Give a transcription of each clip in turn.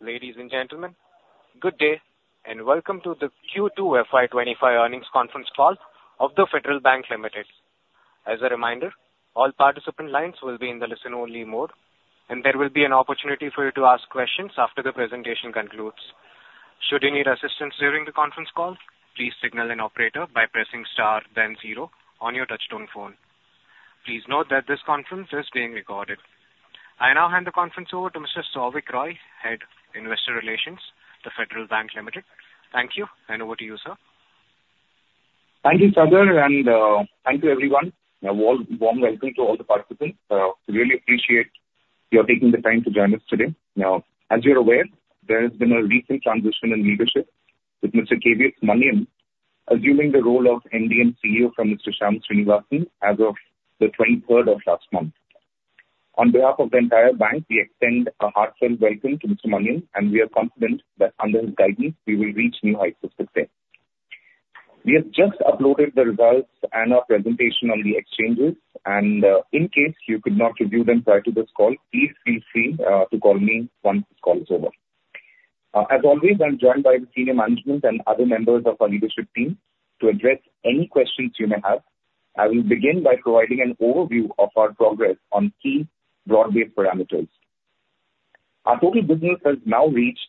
Ladies and gentlemen, good day, and welcome to the Q2 FY2025 Earnings Conference Call of the Federal Bank Limited. As a reminder, all participant lines will be in the listen-only mode, and there will be an opportunity for you to ask questions after the presentation concludes. Should you need assistance during the conference call, please signal an operator by pressing star, then zero on your touchtone phone. Please note that this conference is being recorded. I now hand the conference over to Mr. Souvik Roy, Head, Investor Relations, the Federal Bank Limited. Thank you, and over to you, sir. Thank you, Sagar, and thank you, everyone. A warm, warm welcome to all the participants. Really appreciate your taking the time to join us today. Now, as you're aware, there has been a recent transition in leadership, with Mr. KVS Manian assuming the role of MD&CEO from Mr. Shyam Srinivasan as of the twenty-third of last month. On behalf of the entire bank, we extend a heartfelt welcome to Mr. Manian, and we are confident that under his guidance, we will reach new heights of success. We have just uploaded the results and our presentation on the exchanges, and in case you could not review them prior to this call, please feel free to call me once this call is over. As always, I'm joined by the senior management and other members of our leadership team to address any questions you may have. I will begin by providing an overview of our progress on key broad-based parameters. Our total business has now reached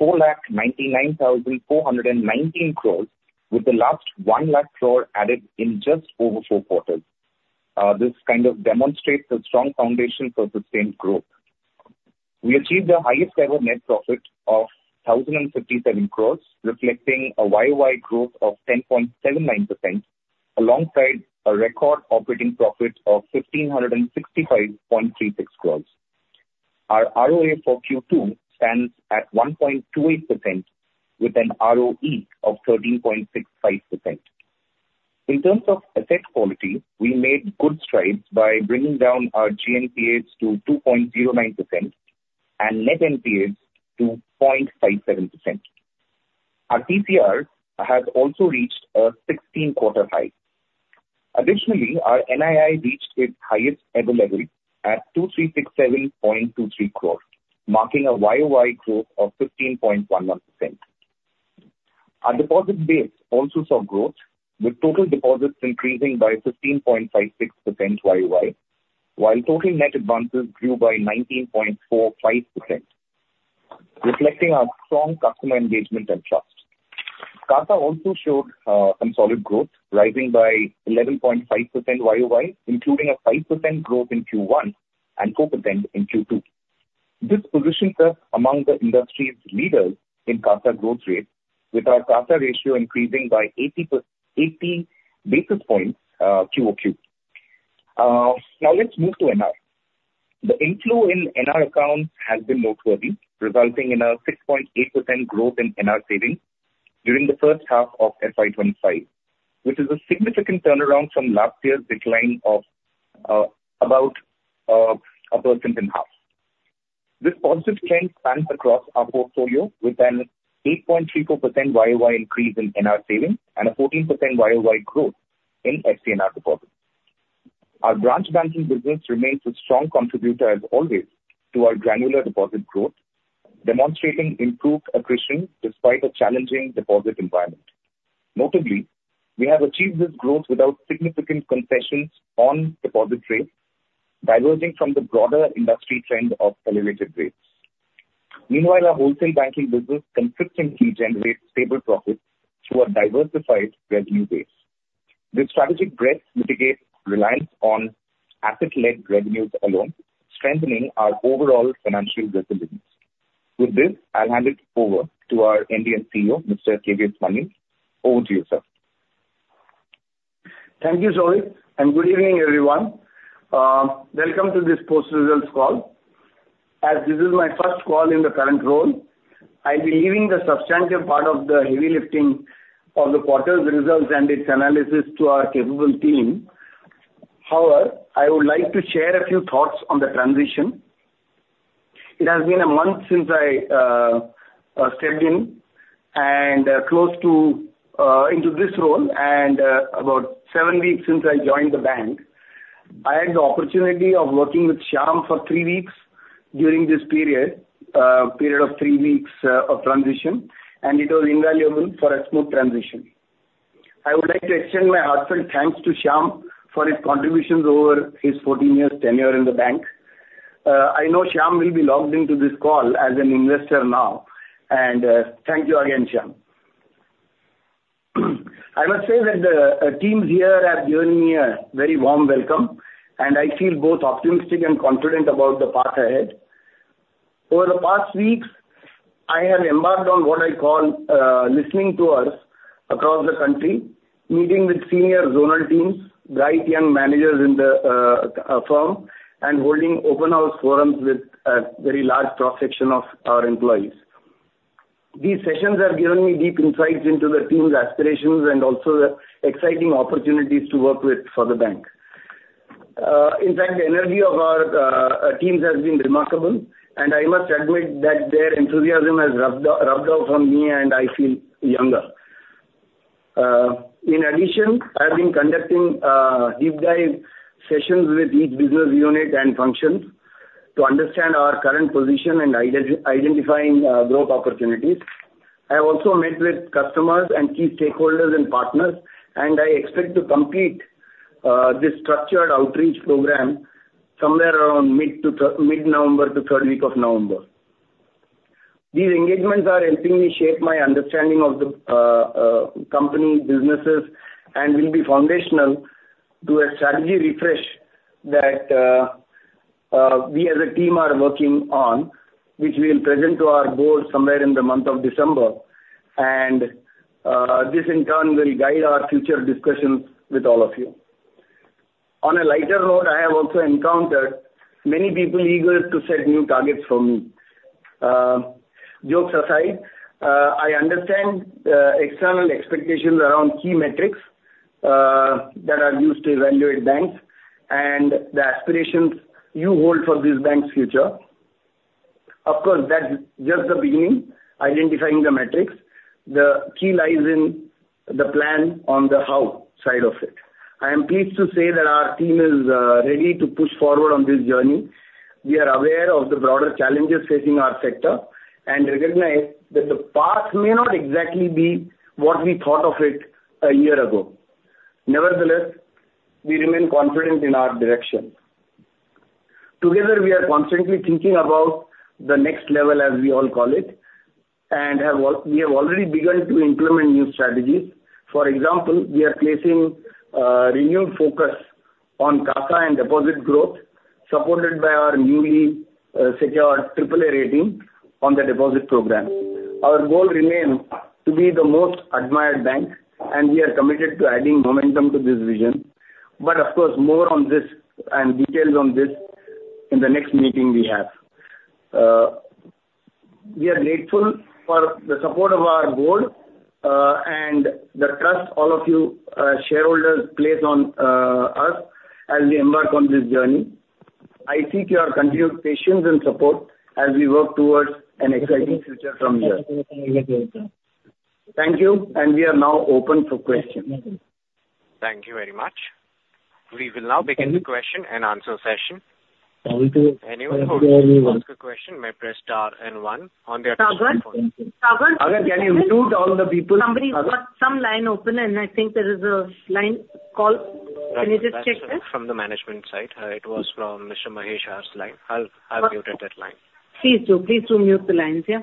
4,99,419 crore, with the last 1 lakh crore added in just over 4 quarters. This kind of demonstrates a strong foundation for sustained growth. We achieved the highest ever net profit of 1,057 crore, reflecting a YoY growth of 10.79%, alongside a record operating profit of 1,565.36 crore. Our ROA for Q2 stands at 1.28% with an ROE of 13.65%. In terms of asset quality, we made good strides by bringing down our GNPA to 2.09% and net NPA to 0.57%. Our PCR has also reached a 16-quarter high. Additionally, our NII reached its highest ever level at 2,367.23 crores, marking a YoY growth of 15.11%. Our deposit base also saw growth, with total deposits increasing by 15.56% YoY, while total net advances grew by 19.45%, reflecting our strong customer engagement and trust. CASA also showed some solid growth, rising by 11.5% YoY, including a 5% growth in Q1 and 4% in Q2. This positions us among the industry's leaders in CASA growth rate, with our CASA ratio increasing by eighty basis points QoQ. Now let's move to NR. The inflow in NR accounts has been noteworthy, resulting in a 6.8% growth in NR savings during the first half of FY 2025, which is a significant turnaround from last year's decline of about 1.5%. This positive trend spans across our portfolio with an 8.34% YoY increase in NR savings and a 14% YoY growth in FCNR deposits. Our branch banking business remains a strong contributor as always to our granular deposit growth, demonstrating improved accretion despite a challenging deposit environment. Notably, we have achieved this growth without significant concessions on deposit rates, diverging from the broader industry trend of elevated rates. Meanwhile, our wholesale banking business consistently generates stable profits through a diversified revenue base. This strategic breadth mitigates reliance on asset-led revenues alone, strengthening our overall financial resilience. With this, I'll hand it over to our MD&CEO, Mr. KVS Manian. Over to you, sir. Thank you, Souvik, and good evening, everyone. Welcome to this post-results call. As this is my first call in the current role, I'll be leaving the substantive part of the heavy lifting of the quarter's results and its analysis to our capable team. However, I would like to share a few thoughts on the transition. It has been a month since I stepped in and close to into this role and about seven weeks since I joined the bank. I had the opportunity of working with Shyam for three weeks during this period of three weeks of transition, and it was invaluable for a smooth transition. I would like to extend my heartfelt thanks to Shyam for his contributions over his fourteen years tenure in the bank. I know Shyam will be logged into this call as an investor now, and thank you again, Shyam. I must say that the teams here have given me a very warm welcome, and I feel both optimistic and confident about the path ahead. Over the past weeks, I have embarked on what I call listening tours across the country, meeting with senior zonal teams, bright young managers in the firm, and holding open house forums with a very large cross-section of our employees. These sessions have given me deep insights into the team's aspirations and also the exciting opportunities to work with for the bank. In fact, the energy of our teams has been remarkable, and I must admit that their enthusiasm has rubbed off on me, and I feel younger. In addition, I have been conducting deep dive sessions with each business unit and functions to understand our current position and identifying growth opportunities. I have also met with customers and key stakeholders and partners, and I expect to complete this structured outreach program somewhere around mid-November to third week of November. These engagements are helping me shape my understanding of the company businesses and will be foundational to a strategy refresh that we as a team are working on, which we'll present to our board somewhere in the month of December, and this in turn will guide our future discussions with all of you. On a lighter note, I have also encountered many people eager to set new targets for me. Jokes aside, I understand external expectations around key metrics that are used to evaluate banks and the aspirations you hold for this bank's future. Of course, that's just the beginning, identifying the metrics. The key lies in the plan on the how side of it. I am pleased to say that our team is ready to push forward on this journey. We are aware of the broader challenges facing our sector and recognize that the path may not exactly be what we thought of it a year ago. Nevertheless, we remain confident in our direction. Together, we are constantly thinking about the next level, as we all call it, and we have already begun to implement new strategies. For example, we are placing renewed focus on CASA and deposit growth, supported by our newly secured AAA rating on the deposit program. Our goal remains to be the most admired bank, and we are committed to adding momentum to this vision. But of course, more on this and details on this in the next meeting we have. We are grateful for the support of our board, and the trust all of you, shareholders place on, us as we embark on this journey. I seek your continued patience and support as we work towards an exciting future from here. Thank you, and we are now open for questions. Thank you very much. We will now begin the question and answer session. Anyone who wants to ask a question may press star and one on their touchtone phone. Sagar, Sagar? Sagar, can you mute all the people? Somebody's got some line open, and I think there is a line call. Can you just check that? From the management side, it was from Mr. Mahesh's line. I'll mute that line. Please do. Please do mute the lines, yeah.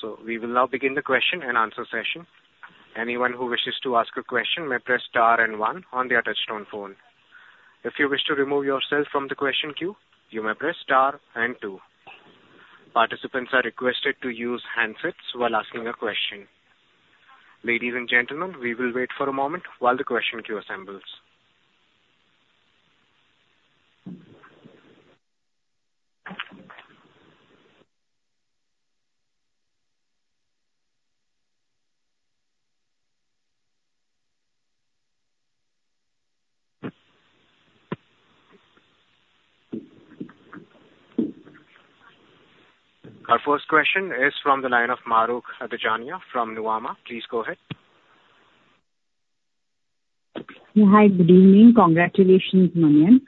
So we will now begin the question and answer session. Anyone who wishes to ask a question may press star and one on their touchtone phone. If you wish to remove yourself from the question queue, you may press star and two. Participants are requested to use handsets while asking a question. Ladies and gentlemen, we will wait for a moment while the question queue assembles. Our first question is from the line of Mahrukh Adajania from Nuvama. Please go ahead. Hi, good evening. Congratulations, Manian.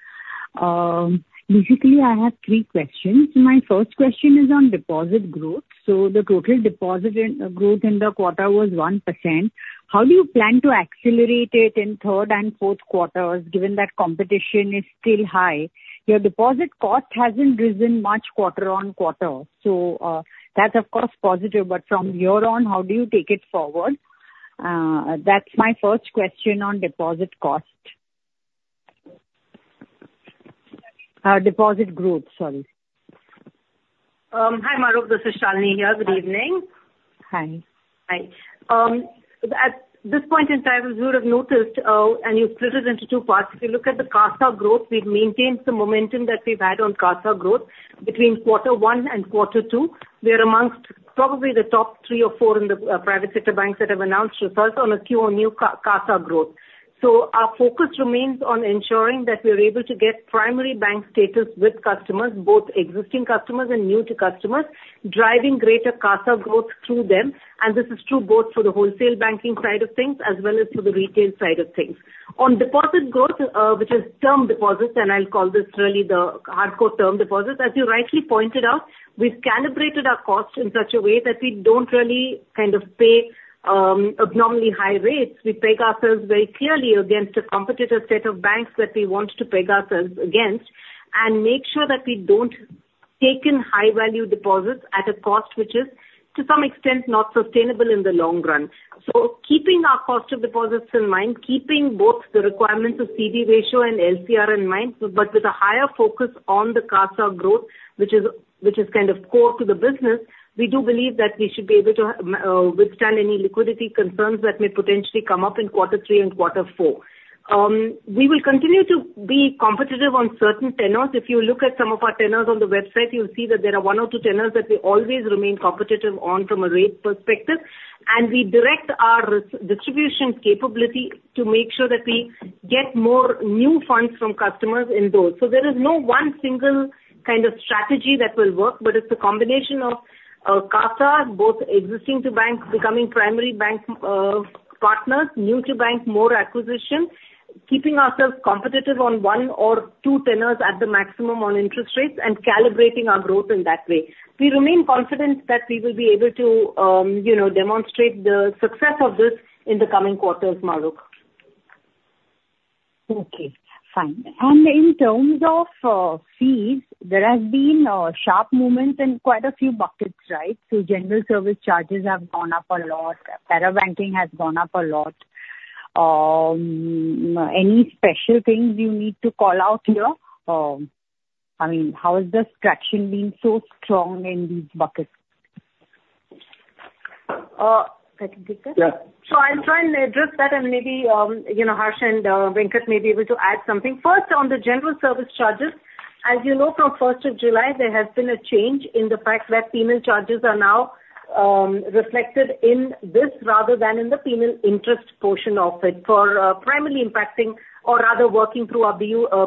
Basically, I have three questions. My first question is on deposit growth. So the total deposit growth in the quarter was 1%. How do you plan to accelerate it in third and fourth quarters, given that competition is still high? Your deposit cost hasn't risen much quarter on quarter, so that's of course positive, but from here on, how do you take it forward? That's my first question on deposit cost. Deposit growth, sorry. Hi, Mahrukh. This is Shalini here. Good evening. Hi. Hi. At this point in time, you would have noticed, and you've split it into two parts. If you look at the CASA growth, we've maintained the momentum that we've had on CASA growth between quarter one and quarter two. We are amongst probably the top three or four in the private sector banks that have announced results on a QO new CASA growth. Our focus remains on ensuring that we are able to get primary bank status with customers, both existing customers and new to customers, driving greater CASA growth through them, and this is true both for the wholesale banking side of things as well as for the retail side of things. On deposit growth, which is term deposits, and I'll call this really the hardcore term deposits, as you rightly pointed out, we've calibrated our costs in such a way that we don't really kind of pay abnormally high rates. We peg ourselves very clearly against a competitor set of banks that we want to peg ourselves against and make sure that we don't take in high-value deposits at a cost which is, to some extent, not sustainable in the long run. So keeping our cost of deposits in mind, keeping both the requirements of CD ratio and LCR in mind, but with a higher focus on the CASA growth, which is kind of core to the business, we do believe that we should be able to withstand any liquidity concerns that may potentially come up in Q3 and Q4. We will continue to be competitive on certain tenors. If you look at some of our tenors on the website, you'll see that there are one or two tenors that we always remain competitive on from a rate perspective, and we direct our re-distribution capability to make sure that we get more new funds from customers in those. So there is no one single kind of strategy that will work, but it's a combination of CASA, both existing to banks becoming primary bank partners, new to bank, more acquisition, keeping ourselves competitive on one or two tenors at the maximum on interest rates and calibrating our growth in that way. We remain confident that we will be able to, you know, demonstrate the success of this in the coming quarters, Mahrukh. Okay, fine. And in terms of, fees, there has been, sharp movements in quite a few buckets, right? So general service charges have gone up a lot, para banking has gone up a lot. Any special things you need to call out here? I mean, how is the stretching being so strong in these buckets? Uh, inaudible. Yeah. I'll try and address that, and maybe, you know, Harsh and Venkat may be able to add something. First, on the general service charges, as you know, from first of July, there has been a change in the fact that penal charges are now reflected in this, rather than in the penal interest portion of it, for primarily impacting or rather working through our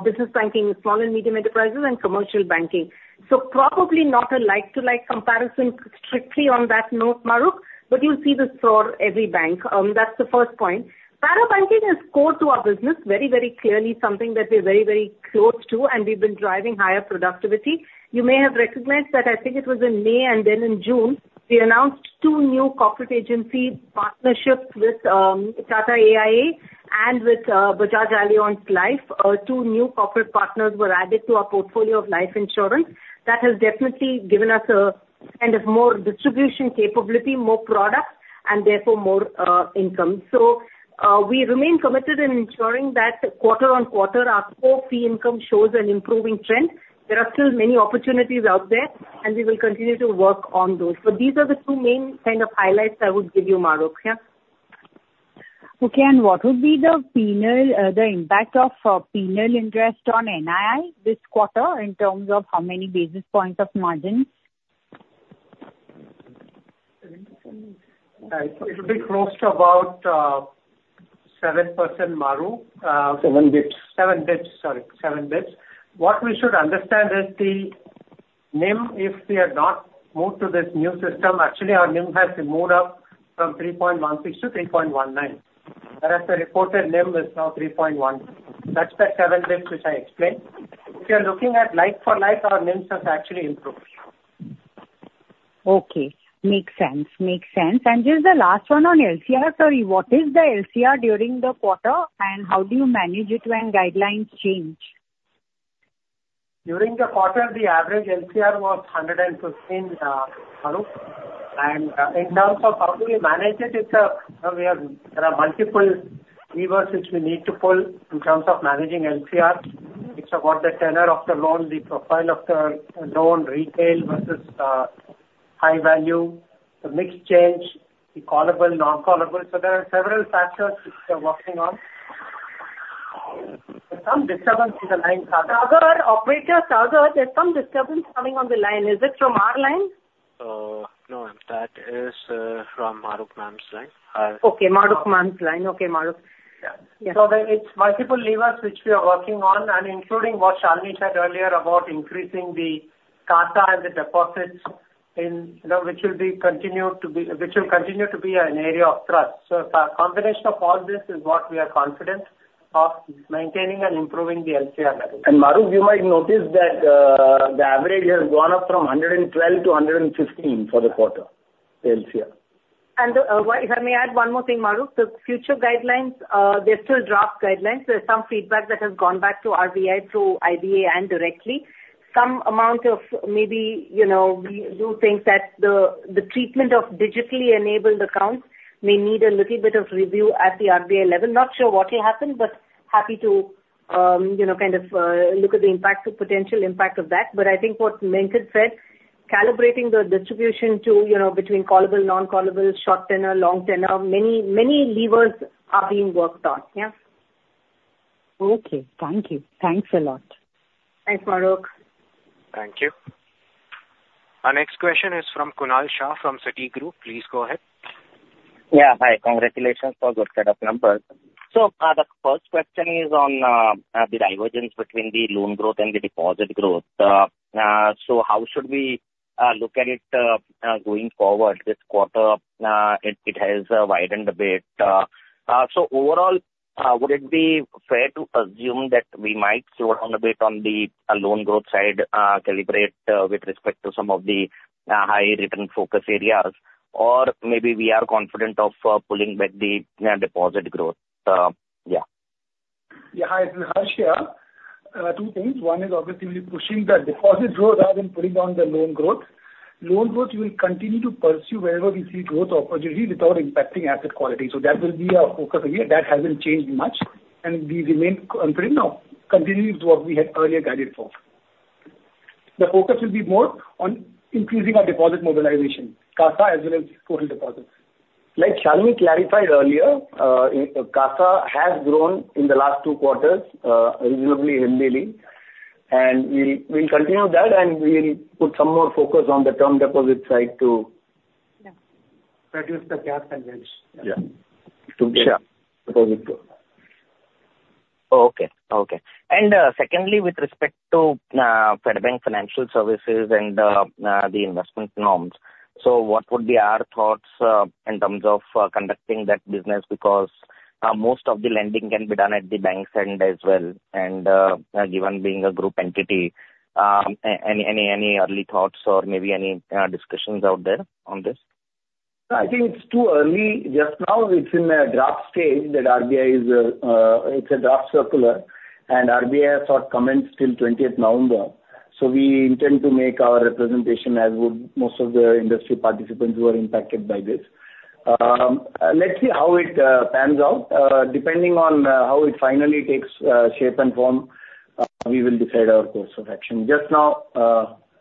business banking with small and medium enterprises and commercial banking. So probably not a like-for-like comparison strictly on that note, Mahrukh, but you'll see this for every bank. That's the first point. Para banking is core to our business, very, very clearly something that we're very, very close to, and we've been driving higher productivity. You may have recognized that, I think it was in May and then in June, we announced two new corporate agency partnerships with Tata AIA and with Bajaj Allianz Life. Two new corporate partners were added to our portfolio of life insurance. That has definitely given us a kind of more distribution capability, more products, and therefore more income. So, we remain committed in ensuring that quarter on quarter, our core fee income shows an improving trend. There are still many opportunities out there, and we will continue to work on those. So these are the two main kind of highlights I would give you, Mahrukh, yeah. Okay, and what would be the impact of penal interest on NII this quarter, in terms of how many basis points of margin? It will be close to about 7%, Mahrukh. Seven bps. Seven basis points, sorry, seven basis points. What we should understand is the NIM, if we had not moved to this new system, actually, our NIM has moved up from 3.16 to 3.19. Whereas the reported NIM is now 3.1. That's the seven basis points which I explained. If you're looking at like for like, our NIMs have actually improved. Okay, makes sense. Makes sense. And just the last one on LCR. Sorry, what is the LCR during the quarter, and how do you manage it when guidelines change? During the quarter, the average LCR was 115, Mahrukh. And, in terms of how do we manage it, it's a, we have, there are multiple levers which we need to pull in terms of managing LCR, which are what the tenor of the loan, the profile of the loan, retail versus, high value, the mix change, the callable, non-callable. So there are several factors which we are working on. There's some disturbance in the line, Sagar. Sagar, operator, Sagar, there's some disturbance coming on the line. Is it from our line? No, that is from Mahrukh Ma'am's line. Okay, Mahrukh Ma'am's line. Okay, Mahrukh. Yeah. Yes. So there is multiple levers which we are working on, and including what Shalini said earlier about increasing the CASA and the deposits in, you know, which will continue to be an area of thrust. So a combination of all this is what we are confident of maintaining and improving the LCR level. Mahrukh, you might notice that the average has gone up from 112 to 115 for the quarter, LCR. And, if I may add one more thing, Mahrukh. The future guidelines, they're still draft guidelines. There's some feedback that has gone back to RBI, through IBA and directly. Some amount of maybe, you know, we do think that the treatment of digitally-enabled accounts may need a little bit of review at the RBI level. Not sure what will happen, but happy to, you know, kind of, look at the impact, the potential impact of that. But I think what Venkat said, calibrating the distribution to, you know, between callable, non-callable, short tenor, long tenor, many, many levers are being worked on. Yeah. Okay, thank you. Thanks a lot. Thanks, Mahrukh. Thank you. Our next question is from Kunal Shah, from Citigroup. Please go ahead. Yeah, hi. Congratulations for good set of numbers. So, the first question is on the divergence between the loan growth and the deposit growth. So how should we look at it going forward? This quarter, it has widened a bit. So overall, would it be fair to assume that we might slow down a bit on the loan growth side, calibrate with respect to some of the high return focus areas? Or maybe we are confident of pulling back the deposit growth? Yeah. Yeah, hi, this is Harsh here. Two things. One is obviously we're pushing the deposit growth rather than pulling down the loan growth. Loan growth, we will continue to pursue wherever we see growth opportunity without impacting asset quality. So that will be our focus area. That hasn't changed much, and we remain confident now, continuing with what we had earlier guided for. The focus will be more on increasing our deposit mobilization, CASA as well as total deposits. Like Shalini clarified earlier, CASA has grown in the last two quarters, reasonably, healthily, and we'll continue that, and we'll put some more focus on the term deposit side, too. Yeah. Reduce the gap and risk. Yeah. Sure. Deposit growth. Oh, okay. Okay. And, secondly, with respect to, Fedbank Financial Services and, the investment norms. So what would be our thoughts, in terms of, conducting that business? Because, most of the lending can be done at the bank's end as well, and, given being a group entity, any early thoughts or maybe any discussions out there on this? I think it's too early. Just now, it's in a draft stage that RBI is, it's a draft circular, and RBI has sought comments till twentieth November. So we intend to make our representation, as would most of the industry participants who are impacted by this. Let's see how it pans out. Depending on, how it finally takes, shape and form, we will decide our course of action. Just now,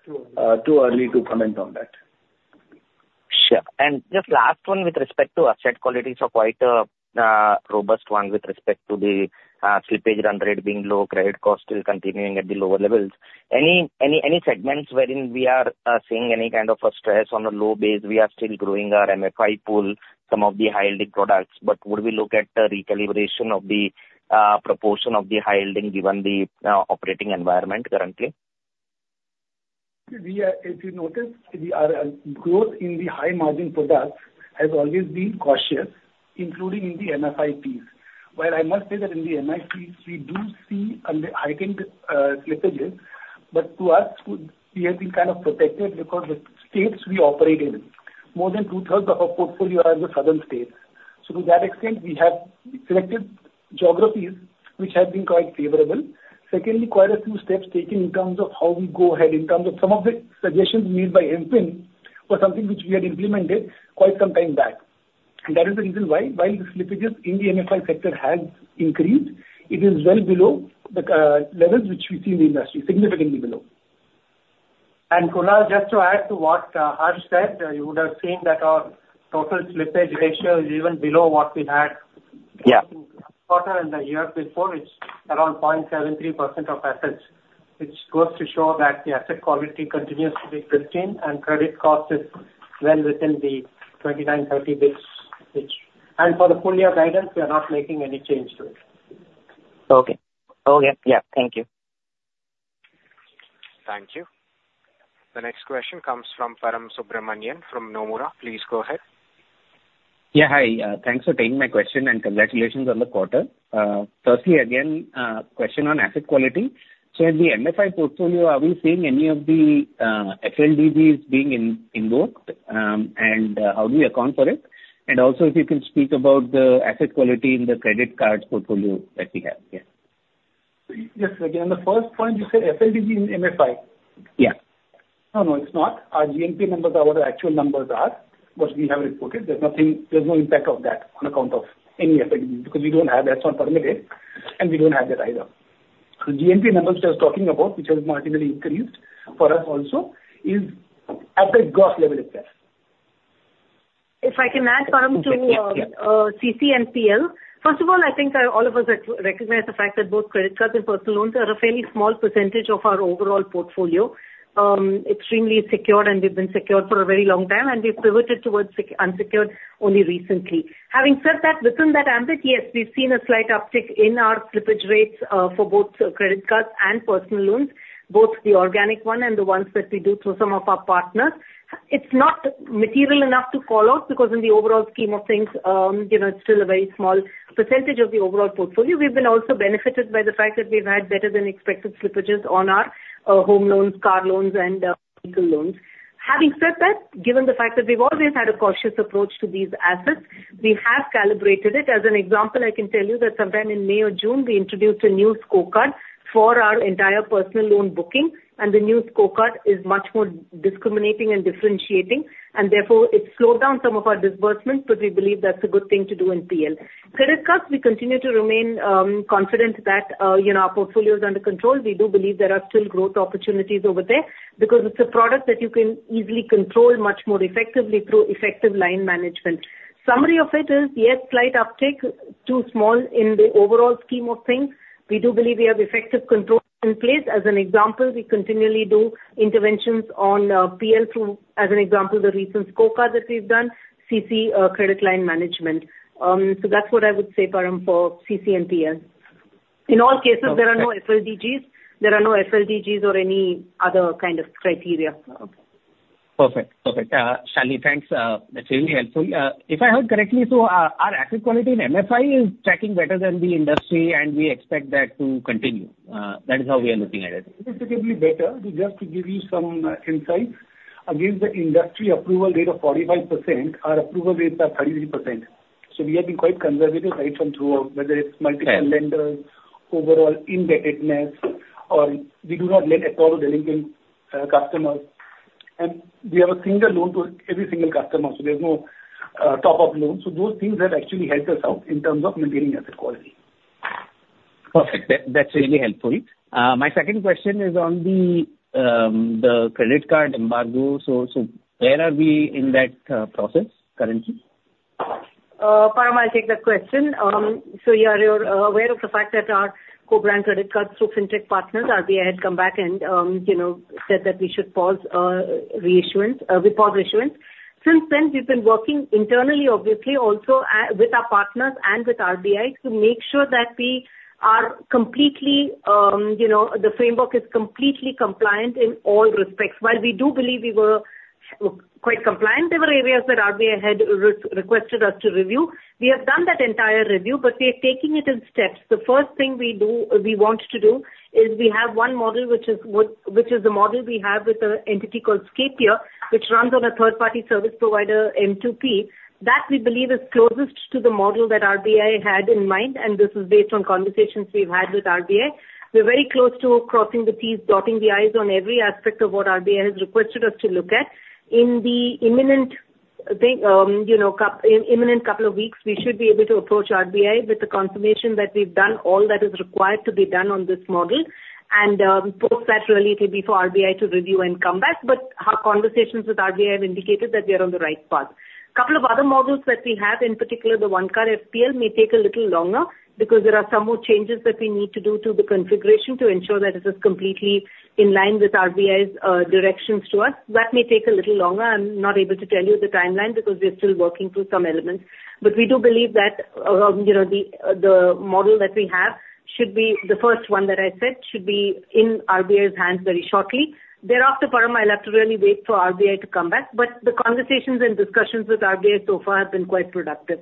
Too early. Too early to comment on that. Sure. And just last one with respect to asset qualities are quite robust one with respect to the slippage run rate being low, credit cost still continuing at the lower levels. Any segments wherein we are seeing any kind of a stress on a low base? We are still growing our MFI pool, some of the high-yielding products, but would we look at a recalibration of the proportion of the high yielding, given the operating environment currently? If you notice, growth in the high-margin products has always been cautious, including in the MFIs. While I must say that in the MFIs, we do see the heightened slippages, but to us, we have been kind of protected because the states we operate in, more than two-thirds of our portfolio are in the southern states. So to that extent, we have selected geographies which have been quite favorable. Secondly, quite a few steps taken in terms of how we go ahead, in terms of some of the suggestions made by MFIN was something which we had implemented quite some time back. And that is the reason why, while the slippages in the MFI sector has increased, it is well below the levels which we see in the industry, significantly below. And Kunal, just to add to what Harsh said, you would have seen that our total slippage ratio is even below what we had- Yeah. in the quarter and the year before, it's around 0.73% of assets. Which goes to show that the asset quality continues to be pristine and credit cost is well within the 29-30 basis points which... And for the full year guidance, we are not making any change to it. Okay. Okay. Yeah, thank you. Thank you. The next question comes from Param Subramanian from Nomura. Please go ahead. Yeah, hi. Thanks for taking my question, and congratulations on the quarter. Firstly, again, question on asset quality. So in the MFI portfolio, are we seeing any of the FLDGs being invoked? And how do you account for it? And also, if you can speak about the asset quality in the credit cards portfolio that we have here. Yes, again, the first point, you said FLDG in MFI? Yeah. No, no, it's not. Our GNPA numbers are what our actual numbers are, what we have reported. There's nothing, there's no impact of that on account of any FLDG, because we don't have that, that's not permitted, and we don't have that either. So GNPA numbers, which I was talking about, which has marginally increased for us also, is at the gross level, it's there. If I can add, Param, to, Yeah. CC and PL. First of all, I think all of us recognize the fact that both credit cards and personal loans are a very small percentage of our overall portfolio, extremely secured, and they've been secured for a very long time, and we've pivoted towards unsecured only recently. Having said that, within that ambit, yes, we've seen a slight uptick in our slippage rates for both credit cards and personal loans, both the organic one and the ones that we do through some of our partners. It's not material enough to call out, because in the overall scheme of things, you know, it's still a very small percentage of the overall portfolio. We've been also benefited by the fact that we've had better than expected slippages on our home loans, car loans, and LAP. Having said that, given the fact that we've always had a cautious approach to these assets, we have calibrated it. As an example, I can tell you that sometime in May or June, we introduced a new scorecard for our entire personal loan booking, and the new scorecard is much more discriminating and differentiating, and therefore, it slowed down some of our disbursements, but we believe that's a good thing to do in PL. Credit cards, we continue to remain confident that, you know, our portfolio is under control. We do believe there are still growth opportunities over there, because it's a product that you can easily control much more effectively through effective line management. Summary of it is, yes, slight uptick, too small in the overall scheme of things. We do believe we have effective controls in place. As an example, we continually do interventions on PL through, as an example, the recent scorecard that we've done, CC, credit line management. So that's what I would say, Param, for CC and PL. In all cases, there are no FLDG's, there are no FLDG's or any other kind of criteria. Okay. Perfect. Perfect. Shalini, thanks, that's really helpful. If I heard correctly, so our asset quality in MFI is tracking better than the industry, and we expect that to continue. That is how we are looking at it. Significantly better. Just to give you some insight, against the industry approval rate of 45%, our approval rates are 33%. So we have been quite conservative right from throughout, whether it's multiple- Yeah... lenders, overall indebtedness, or we do not lend at all to delinquent customers. And we have a single loan to every single customer, so there's no top of loans. So those things have actually helped us out in terms of maintaining asset quality. Perfect. That, that's really helpful. My second question is on the credit card embargo. So, where are we in that process currently? Param, I'll take that question. So you are, you're aware of the fact that our co-brand credit cards through Fintech partners, RBI had come back and, you know, said that we should pause reissuance. Since then, we've been working internally, obviously, also with our partners and with RBI, to make sure that we are completely, you know, the framework is completely compliant in all respects. While we do believe we were quite compliant. There were areas that RBI had re-requested us to review. We have done that entire review, but we are taking it in steps. The first thing we do, we want to do, is we have one model, which is the model we have with an entity called Scapia, which runs on a third-party service provider, M2P. That, we believe, is closest to the model that RBI had in mind, and this is based on conversations we've had with RBI. We're very close to crossing the t's, dotting the i's on every aspect of what RBI has requested us to look at. In the imminent couple of weeks, you know, we should be able to approach RBI with the confirmation that we've done all that is required to be done on this model, and, post that, really, it will be for RBI to review and come back, but our conversations with RBI have indicated that we are on the right path. Couple of other models that we have, in particular, the OneCard FPL, may take a little longer because there are some more changes that we need to do to the configuration to ensure that it is completely in line with RBI's directions to us. That may take a little longer. I'm not able to tell you the timeline because we are still working through some elements. But we do believe that, you know, the model that we have should be the first one that I said, should be in RBI's hands very shortly. Thereafter, Param, I'll have to really wait for RBI to come back, but the conversations and discussions with RBI so far have been quite productive.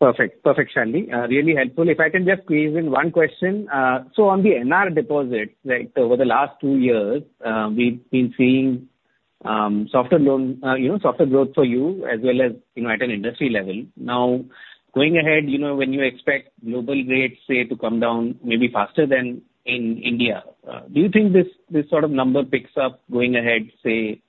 Perfect. Perfect, Shalini. Really helpful. If I can just squeeze in one question. So on the NR deposits, right, over the last two years, we've been seeing, softer loan, you know, softer growth for you as well as, you know, at an industry level. Now, going ahead, you know, when you expect global rates, say, to come down maybe faster than in India, do you think this, this sort of number picks up going ahead, say...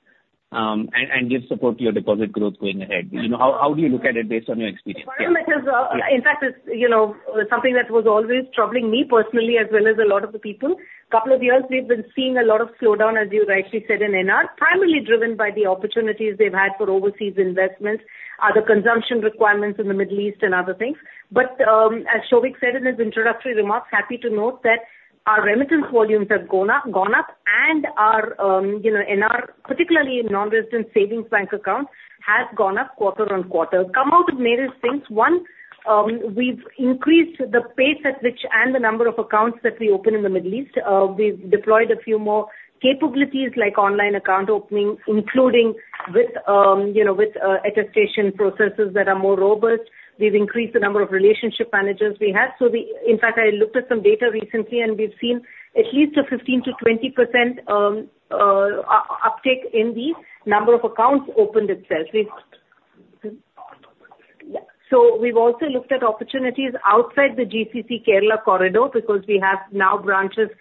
and gives support to your deposit growth going ahead? You know, how, how do you look at it based on your experience? Param, that is, in fact, it's, you know, something that was always troubling me personally, as well as a lot of the people. Couple of years, we've been seeing a lot of slowdown, as you rightly said, in NR, primarily driven by the opportunities they've had for overseas investments, other consumption requirements in the Middle East and other things. But, as Souvik said in his introductory remarks, happy to note that our remittance volumes have gone up, gone up, and our, you know, NR, particularly in non-resident savings bank accounts, has gone up quarter on quarter. Come out with various things. One, we've increased the pace at which, and the number of accounts that we open in the Middle East. We've deployed a few more capabilities, like online account opening, including with, you know, with, attestation processes that are more robust. We've increased the number of relationship managers we have. So in fact, I looked at some data recently, and we've seen at least a 15%-20% uptake in the number of accounts opened itself. So we've also looked at opportunities outside the GCC Kerala corridor, because we have now branches in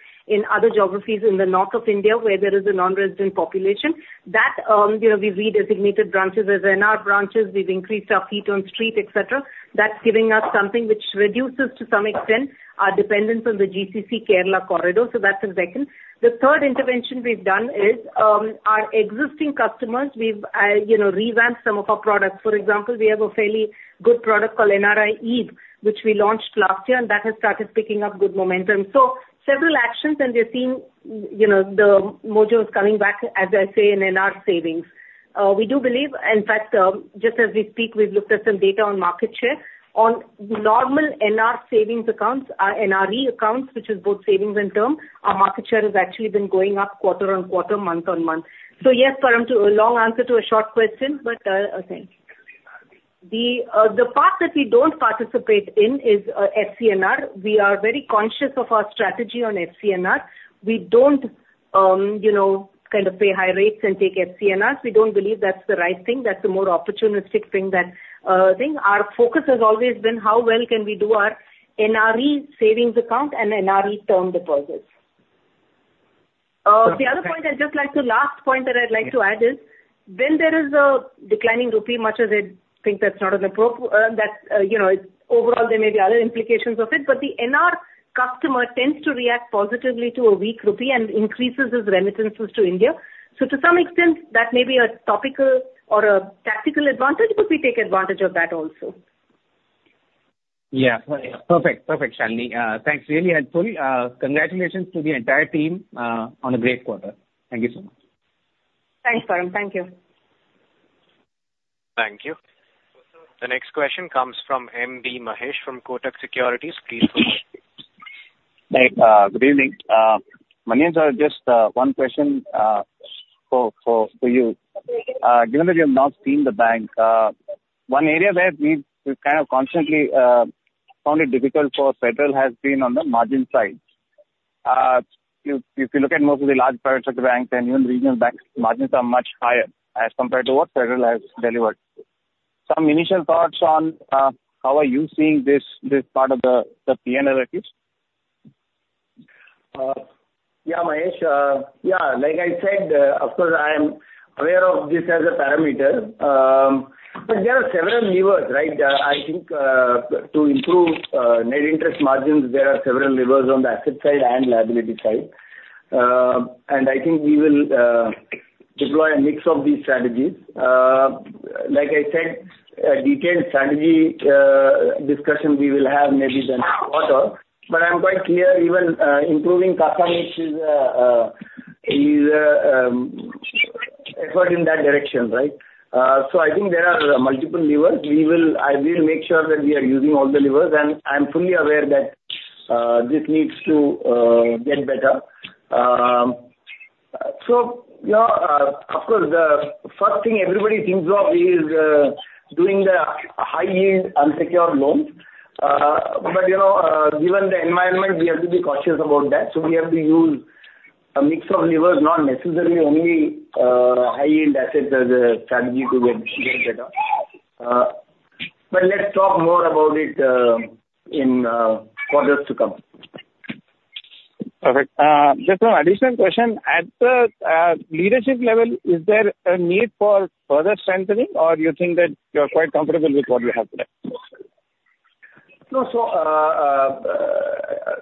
other geographies in the north of India, where there is a non-resident population. That, you know, we've redesignated branches as NR branches. We've increased our feet on street, et cetera. That's giving us something which reduces, to some extent, our dependence on the GCC Kerala corridor, so that's the second. The third intervention we've done is, our existing customers. We've, you know, revamped some of our products. For example, we have a fairly good product called NRI Eve, which we launched last year, and that has started picking up good momentum. So several actions, and we have seen, you know, the mojo is coming back, as I say, in NR savings. We do believe, in fact, just as we speak, we've looked at some data on market share. On normal NR savings accounts, our NRE accounts, which is both savings and term, our market share has actually been going up quarter on quarter, month on month. So yes, Param, to a long answer to a short question, but, okay. The, the part that we don't participate in is, FCNR. We are very conscious of our strategy on FCNR. We don't, you know, kind of pay high rates and take FCNRs. We don't believe that's the right thing. That's a more opportunistic thing than thing. Our focus has always been: How well can we do our NRE savings account and NRE term deposits? Last point that I'd like to add is, when there is a declining rupee, much as I think that's not an appropriate, you know, overall, there may be other implications of it, but the NR customer tends to react positively to a weak rupee and increases his remittances to India. So to some extent, that may be a topical or a tactical advantage, but we take advantage of that also. Yeah. Perfect. Perfect, Shalini. Thanks, really helpful. Congratulations to the entire team, on a great quarter. Thank you so much. Thanks, Param. Thank you. Thank you. The next question comes from M.B. Mahesh from Kotak Securities. Please go ahead. Hey, good evening. Manian, just one question for you. Given that you have not seen the bank, one area where we've kind of constantly found it difficult for Federal has been on the margin side. If you look at most of the large private sector banks and even regional banks, margins are much higher as compared to what Federal has delivered. Some initial thoughts on how are you seeing this part of the P&L? Yeah, Mahesh, yeah, like I said, of course, I am aware of this as a parameter, but there are several levers, right? I think, to improve net interest margins, there are several levers on the asset side and liability side. And I think we will deploy a mix of these strategies. Like I said, a detailed strategy discussion we will have maybe next quarter, but I'm quite clear even improving CASA on it is effort in that direction, right? So I think there are multiple levers. We will, I will make sure that we are using all the levers, and I'm fully aware that this needs to get better. So, you know, of course, the first thing everybody thinks of is doing the high-yield unsecured loans. But you know, given the environment, we have to be cautious about that, so we have to use a mix of levers, not necessarily only high-yield assets as a strategy to get better. But let's talk more about it in quarters to come. Perfect. Just one additional question. At the leadership level, is there a need for further strengthening, or you think that you're quite comfortable with what you have today? No, so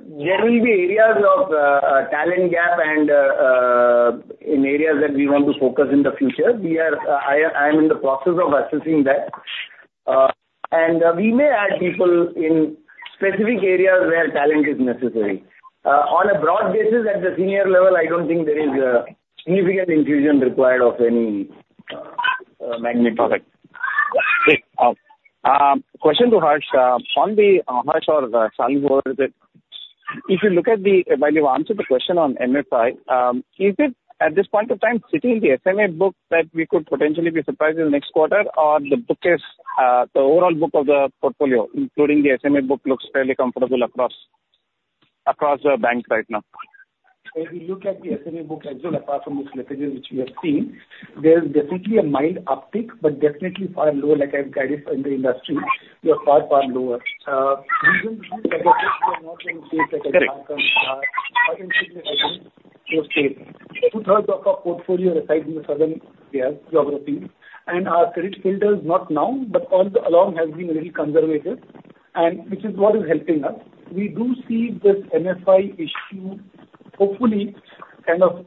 there will be areas of talent gap and in areas that we want to focus in the future. I am in the process of assessing that. And we may add people in specific areas where talent is necessary. On a broad basis, at the senior level, I don't think there is a significant infusion required of any magnitude. Perfect. Question to Harsh or Shalini, whatever is it. If you look at the... Well, you've answered the question on MFI. Is it, at this point of time, sitting in the SMA book that we could potentially be surprised in the next quarter, or the book is, the overall book of the portfolio, including the SMA book, looks fairly comfortable across the bank right now? If you look at the SMA book as well, apart from the slippages which we have seen, there is definitely a mild uptick, but definitely far lower, like I've guided in the industry. We are far, far lower. We don't... Two-thirds of our portfolio resides in the southern, yeah, geography, and our credit filter is not now, but all along has been a little conservative, and which is what is helping us. We do see this MFI issue hopefully kind of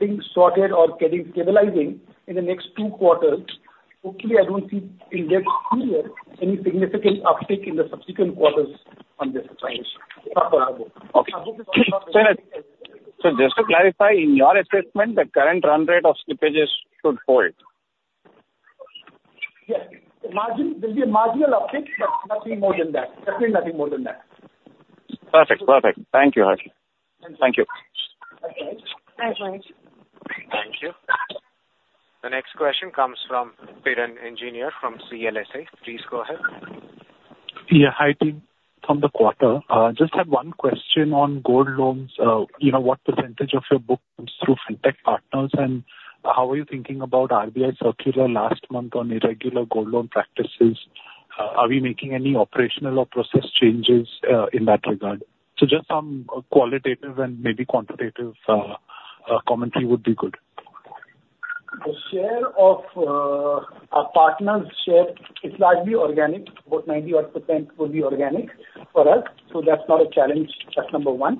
being sorted or getting, stabilizing in the next two quarters. Hopefully, I don't see in depth here any significant uptick in the subsequent quarters on this front. Okay. So just to clarify, in your assessment, the current run rate of slippages should hold? Yes. The margin, there'll be a marginal uptick, but nothing more than that. Definitely nothing more than that. Perfect. Perfect. Thank you, Harsh. Thank you. Thanks, Mahesh. Thank you. The next question comes from Piran Engineer from CLSA. Please go ahead. Yeah, hi, team. From the quarter, just had one question on gold loans. You know, what percentage of your book comes through fintech partners, and how are you thinking about RBI circular last month on irregular gold loan practices? Are we making any operational or process changes, in that regard? So just some qualitative and maybe quantitative, commentary would be good. The share of our partners' share is largely organic. About 90-odd% will be organic for us, so that's not a challenge. That's number one.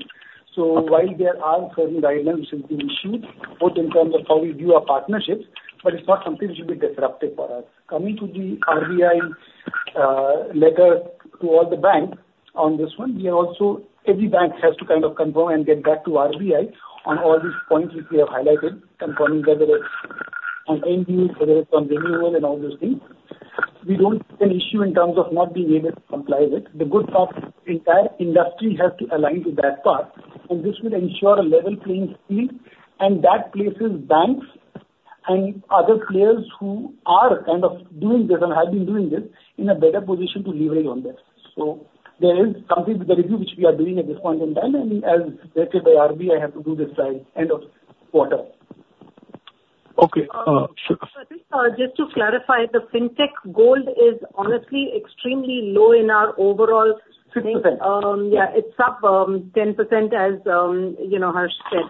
So while there are certain guidelines which have been issued, both in terms of how we view our partnerships, but it's not something which will be disruptive for us. Coming to the RBI letter to all the banks on this one, we are also every bank has to kind of confirm and get back to RBI on all these points which we have highlighted, confirming whether it's on end use, whether it's on renewal and all those things. We don't see an issue in terms of not being able to comply with. The goal of entire industry has to align to that part, and this will ensure a level playing field, and that places banks and other players who are kind of doing this and have been doing this in a better position to leverage on this. So there is something with the review which we are doing at this point in time, and as directed by RBI, I have to do this by end of quarter. Okay, sure. Just to clarify, the fintech gold is honestly extremely low in our overall- Six percent. Yeah, it's up 10%, as you know, Harsh said,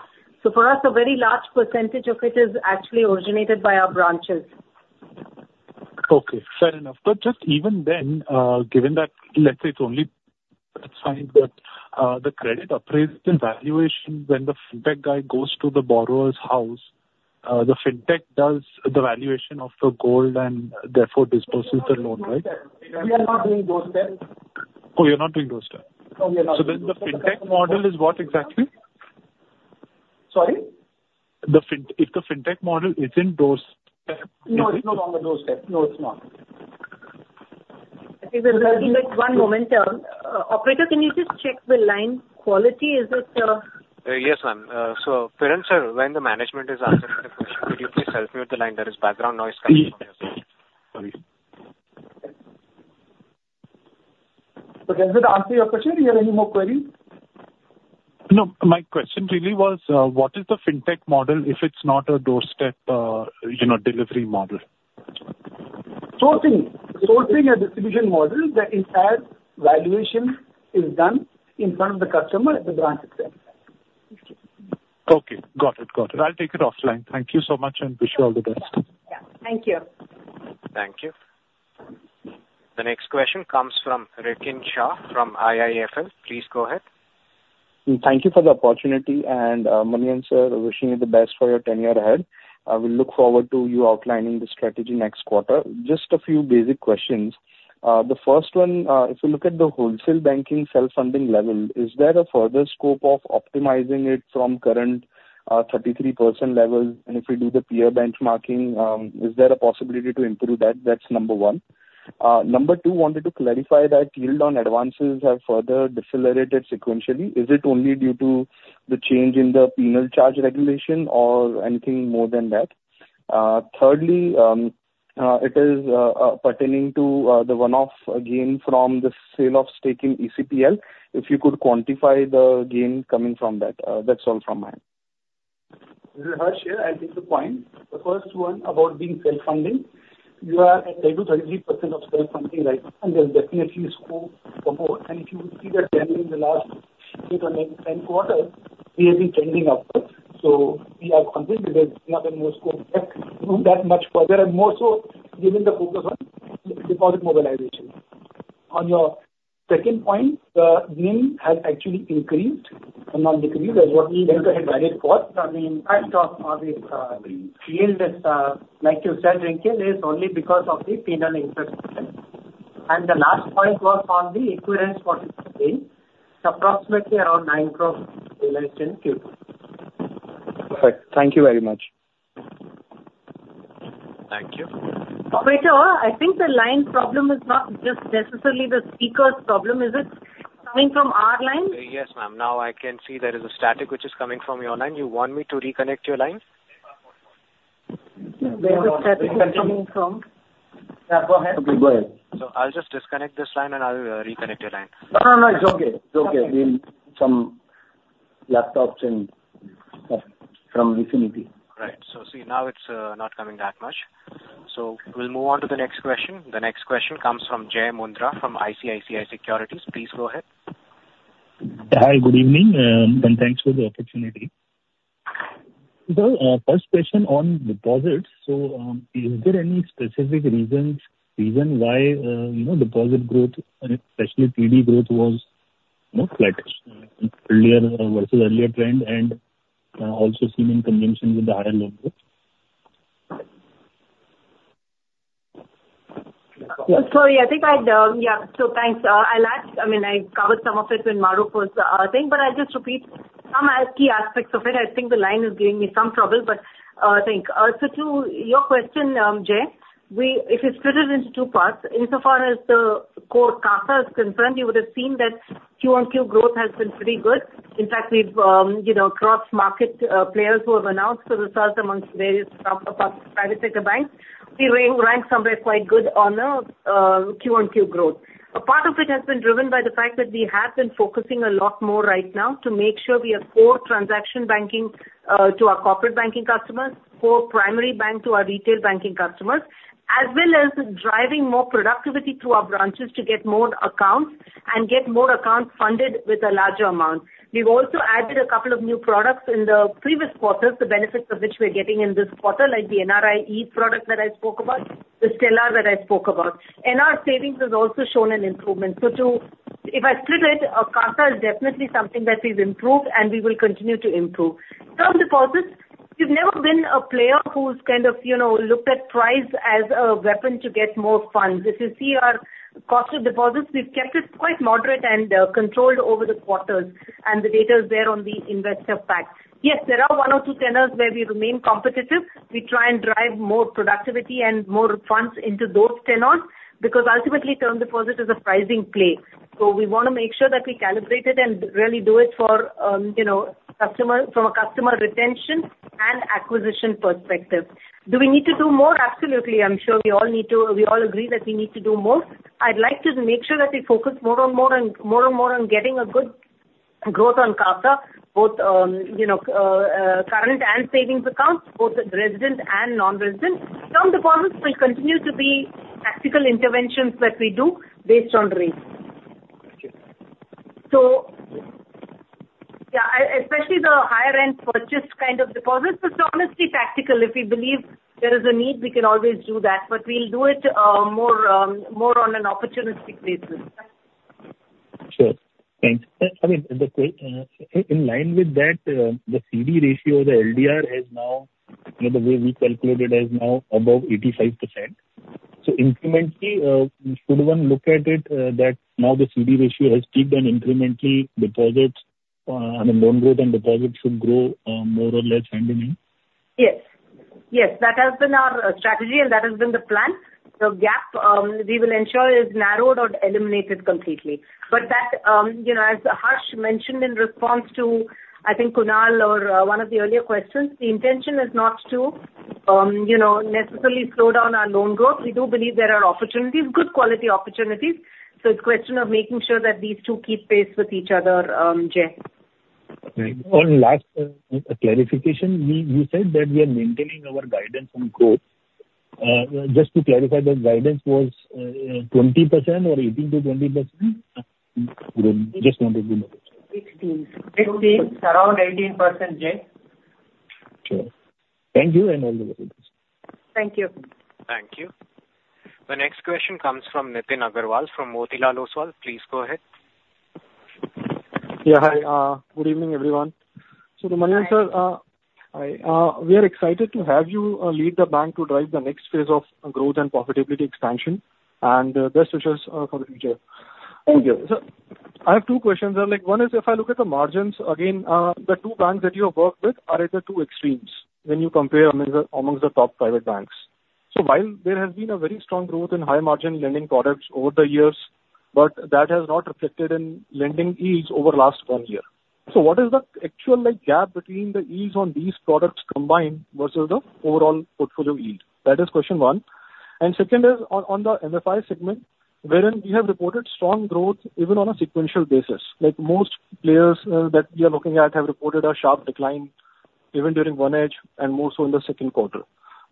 so for us, a very large percentage of it is actually originated by our branches. Okay, fair enough. But just even then, given that, let's say it's only a sign that the credit appraisal valuation when the fintech guy goes to the borrower's house, the fintech does the valuation of the gold and therefore disburses the loan, right? We are not doing doorstep. Oh, you're not doing doorstep? No, we are not. So then the fintech model is what exactly? Sorry? If the fintech model is in doorstep? No, it's no longer doorstep. No, it's not. One moment. Operator, can you just check the line quality? Is it, Yes, ma'am. So, Piran sir, when the management is answering the question, could you please mute the line? There is background noise coming from your side. Sorry. So does it answer your question? You have any more queries? No, my question really was, what is the fintech model, if it's not a doorstep, you know, delivery model? Sourcing a distribution model, the entire valuation is done in front of the customer at the branch itself. Okay, got it, got it. I'll take it offline. Thank you so much, and wish you all the best. Yeah, thank you. Thank you. The next question comes from Rikin Shah, from IIFL. Please go ahead. Thank you for the opportunity, and, Manian sir, wishing you the best for your tenure ahead. I will look forward to you outlining the strategy next quarter. Just a few basic questions. The first one, if you look at the wholesale banking self-funding level, is there a further scope of optimizing it from current, thirty-three percent levels, and if we do the peer benchmarking, is there a possibility to improve that? That's number one. Number two, wanted to clarify that yield on advances have further decelerated sequentially. Is it only due to the change in the penal charge regulation or anything more than that? Thirdly, it is, pertaining to, the one-off gain from the sale of stake in ECPL. If you could quantify the gain coming from that. That's all from my end. This is Harsh here. I think the point, the first one about being self-funding, you are at 30%-33% of self-funding, right? And there's definitely scope for more. And if you will see the trend in the last eight or nine, 10 quarters, we have been trending upwards. So we are confident that we have more scope left, move that much further and more so given the focus on deposit mobilization. On your second point, the gain has actually increased and not decreased, as what Venkat had guided for. I mean, impact of, of the, yield is, like you said, Rikin, is only because of the penal interest. And the last point was on the provision for 2023, it's approximately around 9 crores realized in Q. Perfect. Thank you very much. Thank you. Wait, I think the line problem is not just necessarily the speaker's problem. Is it coming from our line? Yes, ma'am. Now I can see there is a static which is coming from your line. You want me to reconnect your line? Where the static is coming from? Yeah, go ahead. Okay, go ahead. So I'll just disconnect this line and I'll reconnect your line. No, no, no. It's okay. It's okay. We need some laptops and from vicinity. Right. So see, now it's not coming that much. So we'll move on to the next question. The next question comes from Jai Mundhra, from ICICI Securities. Please go ahead. Hi, good evening, and thanks for the opportunity. So, first question on deposits. So, is there any specific reason why, you know, deposit growth and especially PD growth was more flat earlier versus earlier trend and also seen in conjunction with the higher loan growth? Sorry, I think I, yeah, so thanks. I'll add, I mean, I covered some of it when Maruf was saying, but I'll just repeat some key aspects of it. I think the line is giving me some trouble, but thanks. So to your question, Jai, we, if you split it into two parts, insofar as the core CASA is concerned, you would have seen that Q-on-Q growth has been pretty good. In fact, we've, you know, across market players who have announced the results amongst various private sector banks, we rank somewhere quite good on the Q-on-Q growth. A part of it has been driven by the fact that we have been focusing a lot more right now to make sure we are core transaction banking to our corporate banking customers, core primary bank to our retail banking customers, as well as driving more productivity through our branches to get more accounts and get more accounts funded with a larger amount. We've also added a couple of new products in the previous quarters, the benefits of which we are getting in this quarter, like the NRI Eve product that I spoke about, the Stellar that I spoke about, and our savings has also shown an improvement. So, if I split it, CASA is definitely something that is improved and we will continue to improve. Term deposits, we've never been a player who's kind of, you know, looked at price as a weapon to get more funds. If you see our cost of deposits, we've kept it quite moderate and controlled over the quarters, and the data is there on the investor pack. Yes, there are one or two tenors where we remain competitive. We try and drive more productivity and more funds into those tenors, because ultimately, term deposit is a pricing play. So we want to make sure that we calibrate it and really do it for, you know, customer, from a customer retention and acquisition perspective. Do we need to do more? Absolutely. I'm sure we all need to, we all agree that we need to do more. I'd like to make sure that we focus more and more and, more and more on getting a good growth on CASA, both, current and savings accounts, both resident and non-resident. Term deposits will continue to be tactical interventions that we do based on rates. Thank you. So, yeah, especially the higher end purchase kind of deposits, it's honestly tactical. If we believe there is a need, we can always do that, but we'll do it more on an opportunistic basis. Sure. Thanks. I mean, in line with that, the CD ratio, the LDR is now, you know, the way we calculate it, is now above 85%. So incrementally, should one look at it, that now the CD ratio has peaked and incrementally deposits, I mean, loan growth and deposits should grow, more or less hand in hand? Yes. Yes, that has been our strategy and that has been the plan. The gap, we will ensure is narrowed or eliminated completely. But that, you know, as Harsh mentioned in response to, I think, Kunal or, one of the earlier questions, the intention is not to, you know, necessarily slow down our loan growth. We do believe there are opportunities, good quality opportunities, so it's a question of making sure that these two keep pace with each other, Jai. Right. One last clarification. We, you said that we are maintaining our guidance on growth. Just to clarify, the guidance was 20% or 18%-20%? Just wanted to know. 16. 16, around 18%, Jai. Sure. Thank you and all the best. Thank you. Thank you. The next question comes from Nitin Aggarwal, from Motilal Oswal. Please go ahead. Yeah, hi. Good evening, everyone. So, Manian, sir, hi. We are excited to have you lead the bank to drive the next phase of growth and profitability expansion, and best wishes for the future. Thank you, sir. I have two questions, and like, one is if I look at the margins again, the two banks that you have worked with are at the two extremes when you compare among the, amongst the top private banks. So while there has been a very strong growth in high margin lending products over the years, but that has not reflected in lending yields over the last one year. So what is the actual, like, gap between the yields on these products combined versus the overall portfolio yield? That is question one. Second is on the MFI segment, wherein you have reported strong growth even on a sequential basis, like most players that we are looking at have reported a sharp decline even during Q1 and more so in the second quarter.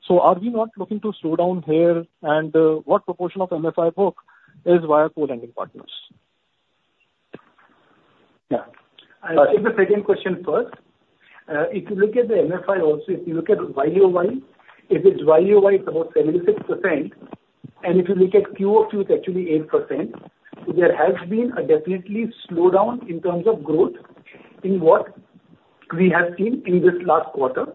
So are we not looking to slow down here? And what proportion of MFI book is via co-lending partners? Yeah. I'll take the second question first. If you look at the MFI also, if you look at YoY, if it's YoY, it's about 76%, and if you look at Q over Q, it's actually 8%. So there has been a definitely slowdown in terms of growth in what we have seen in this last quarter.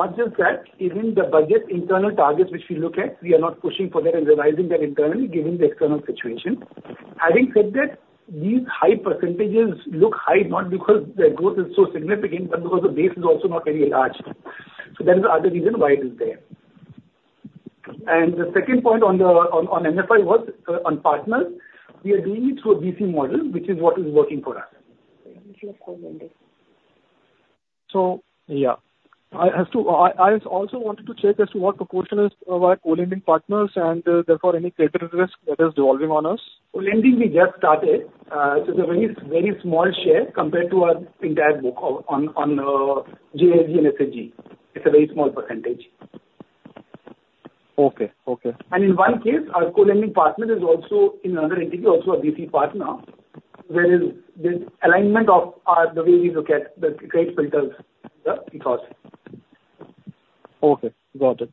Not just that, even the budget internal targets which we look at, we are not pushing for that and revising that internally given the external situation. Having said that, these high percentages look high, not because the growth is so significant, but because the base is also not very large. So that is the other reason why it is there. And the second point on the MFI was on partners. We are doing it through a BC model, which is what is working for us. Yeah. I have to. I also wanted to check as to what proportion is our co-lending partners and, therefore, any credit risk that is evolving on us. Co-Lending we just started. So it's a very, very small share compared to our entire book on JLG and SHG. It's a very small percentage. Okay. Okay. And in one case, our co-lending partner is also in another entity, also a BC partner, where is this alignment of our, the way we look at the credit filters, yeah, because. Okay, got it.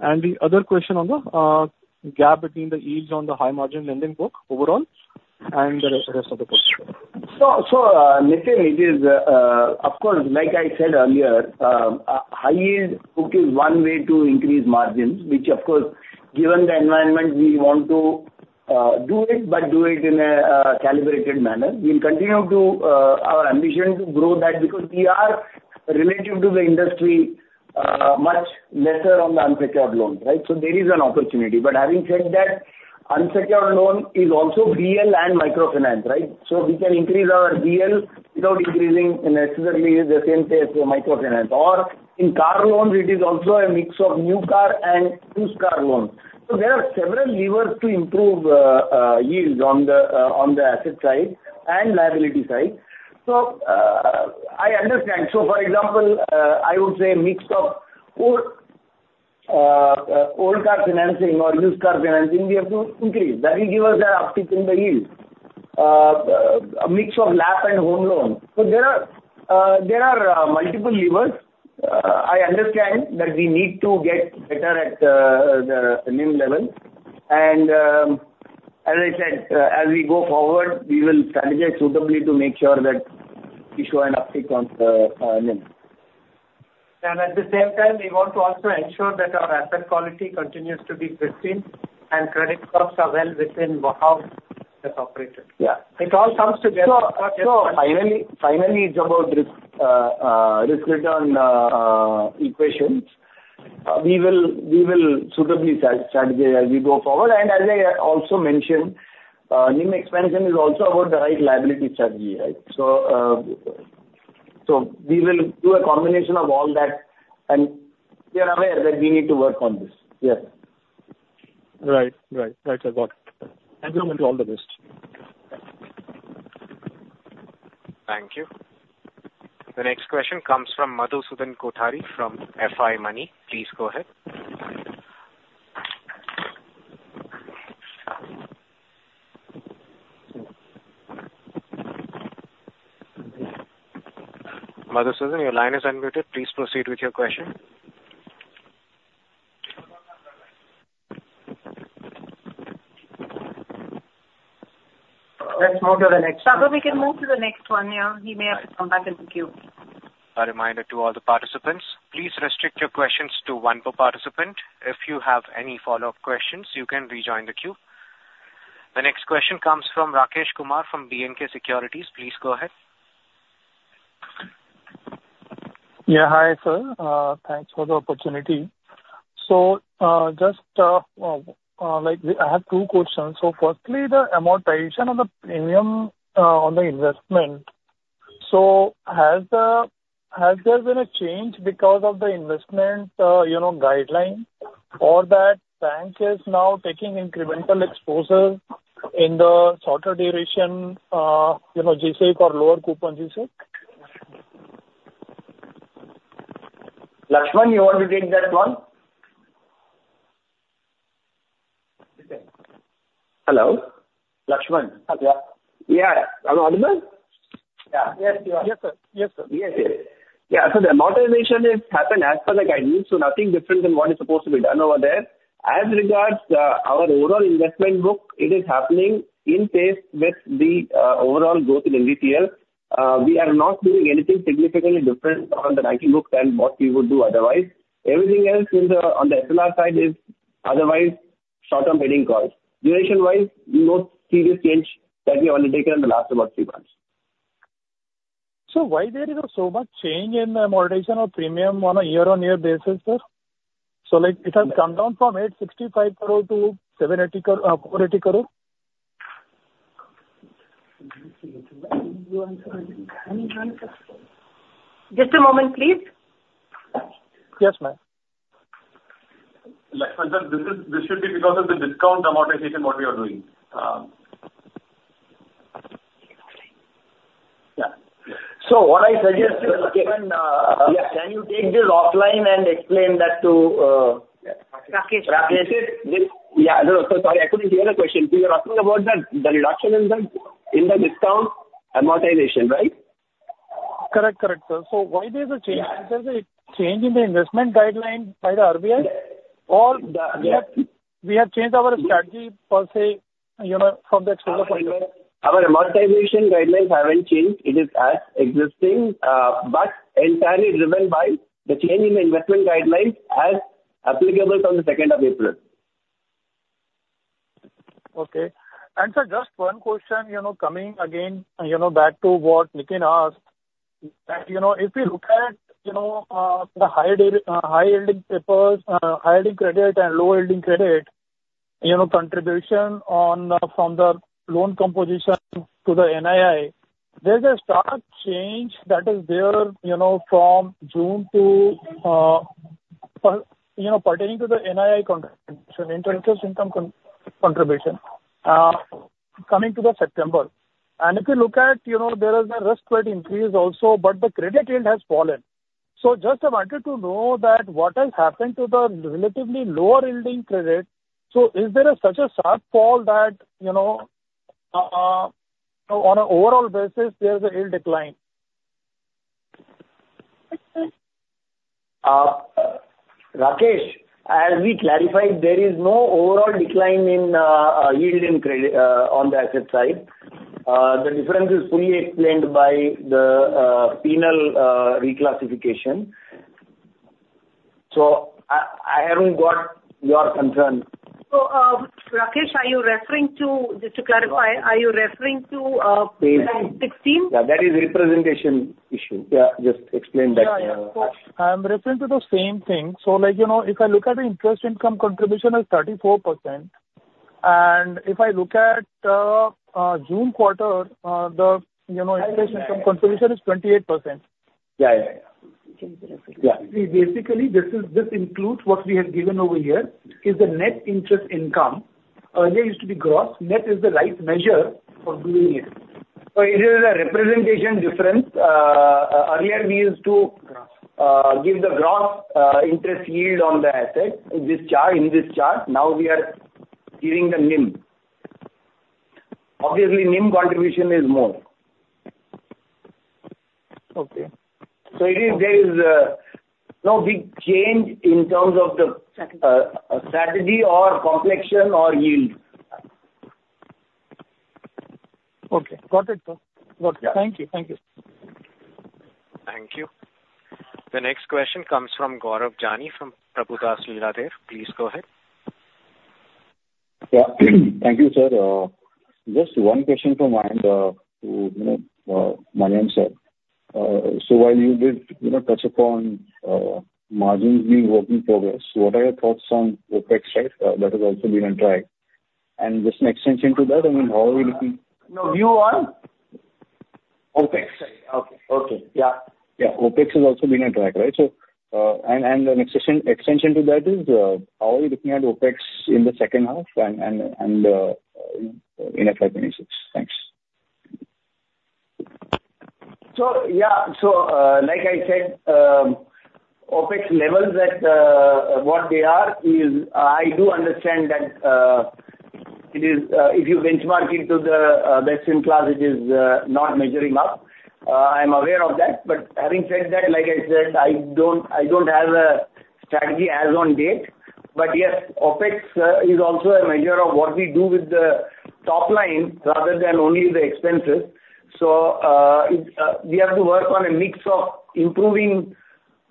And the other question on the gap between the yields on the high margin lending book overall and the rest of the books? Nitin, it is, of course, like I said earlier, a high yield book is one way to increase margins, which of course, given the environment, we want to do it, but do it in a calibrated manner. We'll continue to our ambition to grow that because we are relative to the industry, much lesser on the unsecured loans, right? So there is an opportunity. But having said that, unsecured loan is also BL and microfinance, right? So we can increase our BL without increasing necessarily the same pace for microfinance. Or in car loans, it is also a mix of new car and used car loans. So there are several levers to improve yields on the asset side and liability side. So, I understand. So, for example, I would say a mix of old car financing or used car financing we have to increase. That will give us an uptick in the yield. A mix of LAP and home loans. So there are multiple levers. I understand that we need to get better at the NIM level. And, as I said, as we go forward, we will strategize suitably to make sure that we show an uptick on the NIM. At the same time, we want to also ensure that our asset quality continues to be pristine and credit costs are well within how that's operated. Yeah. It all comes together. Finally, it's about this risk return equations. We will suitably strategize as we go forward and as I also mentioned, NIM expansion is also about the right liability strategy, right? So we will do a combination of all that, and we are aware that we need to work on this. Yes. Right. Right. Right, sir. Got it. And good luck to all the best. Thank you. The next question comes from Madhusudan Kothari from FI Money. Please go ahead. Madhusudan, your line is unmuted. Please proceed with your question. Let's move to the next one. Madhu, we can move to the next one, yeah. He may have to come back in the queue. A reminder to all the participants, please restrict your questions to one per participant. If you have any follow-up questions, you can rejoin the queue. The next question comes from Rakesh Kumar, from B&K Securities. Please go ahead. Yeah, hi, sir. Thanks for the opportunity. So, just, like, I have two questions. So firstly, the amortization of the premium on the investment. So has the, has there been a change because of the investment, you know, guideline? Or that bank is now taking incremental exposure in the shorter duration, you know, G-Sec or lower coupon G-Sec? Lakshmanan, you want to take that one? Hello? Lakshman. Yeah. Yeah. Am I audible? Yeah. Yes, you are. Yes, sir. Yes, sir. Yes, yes. Yeah, so the amortization is happened as per the guidelines, so nothing different than what is supposed to be done over there. As regards, our overall investment book, it is happening in pace with the, overall growth in NDTL. We are not doing anything significantly different on the banking books than what we would do otherwise. Everything else in the, on the SLR side is otherwise-... short-term hedging costs. Duration-wise, no serious change that we have undertaken in the last about three months. So why there is so much change in the amortization of premium on a year-on-year basis, sir? So like, it has come down from 865 crore to 780 crore, 480 crore. Just a moment, please. Yes, ma'am. Like I said, this is, this should be because of the discount amortization what we are doing. Yeah. So what I suggest, can you take this offline and explain that to, Rakesh. Rakesh? Yeah. No, so sorry, I couldn't hear the question. You were asking about the, the reduction in the, in the discount amortization, right? Correct, correct, sir. So why there's a change? Is there a change in the investment guidelines by the RBI or the, we have changed our strategy per se, you know, from the exposure point of view? Our amortization guidelines haven't changed. It is as existing, but entirely driven by the change in the investment guidelines as applicable from the second of April. Okay. And sir, just one question, you know, coming again, you know, back to what Nitin had asked, that, you know, if you look at, you know, the higher-yielding papers, high-yielding credit and low-yielding credit, you know, contribution on, from the loan composition to the NII, there's a stark change that is there, you know, from June to, pertaining to the NII contribution, interest income contribution, coming to the September. And if you look at, you know, there is a risk-weight increase also, but the credit yield has fallen. So just I wanted to know that what has happened to the relatively lower-yielding credit. So is there such a sharp fall that, you know, on an overall basis, there's a yield decline? Rakesh, as we clarified, there is no overall decline in yield in credit on the asset side. The difference is fully explained by the final reclassification. So I haven't got your concern. So, Rakesh, just to clarify, are you referring to sixteen? Yeah, that is representation issue. Yeah, just explain that. Yeah, yeah, of course. I'm referring to the same thing. So like, you know, if I look at the interest income contribution of 34%, and if I look at June quarter, the, you know, interest income contribution is 28%. Yeah. Basically, this is, this includes what we have given over here, is the net interest income. Earlier used to be gross. Net is the right measure for doing it. It is a representation difference. Earlier we used to give the gross interest yield on the asset in this chart. Now we are giving the NIM. Obviously, NIM contribution is more. Okay. So there is no big change in terms of the strategy or complexion or yield. Okay. Got it, sir. Got it. Yeah. Thank you. Thank you. Thank you. The next question comes from Gaurav Jani, from Prabhudas Lilladher. Please go ahead. Yeah. Thank you, sir. Just one question from my end, to you know, Manian sir. So while you did you know touch upon margins being work in progress, what are your thoughts on OpEx, right? That has also been on track, and just an extension to that, I mean, how are you looking- No, you are? OpEx. Okay. Okay. Yeah. Yeah, OpEx has also been on track, right? So, an extension to that is how are you looking at OpEx in the second half and in FY 2026? Thanks. Yeah. Like I said, OpEx levels at what they are is... I do understand that. It is, if you benchmark it to the best in class, not measuring up. I'm aware of that. Having said that, like I said, I don't, I don't have a strategy as on date. Yes, OpEx is also a measure of what we do with the top line, rather than only the expenses. It, we have to work on a mix of improving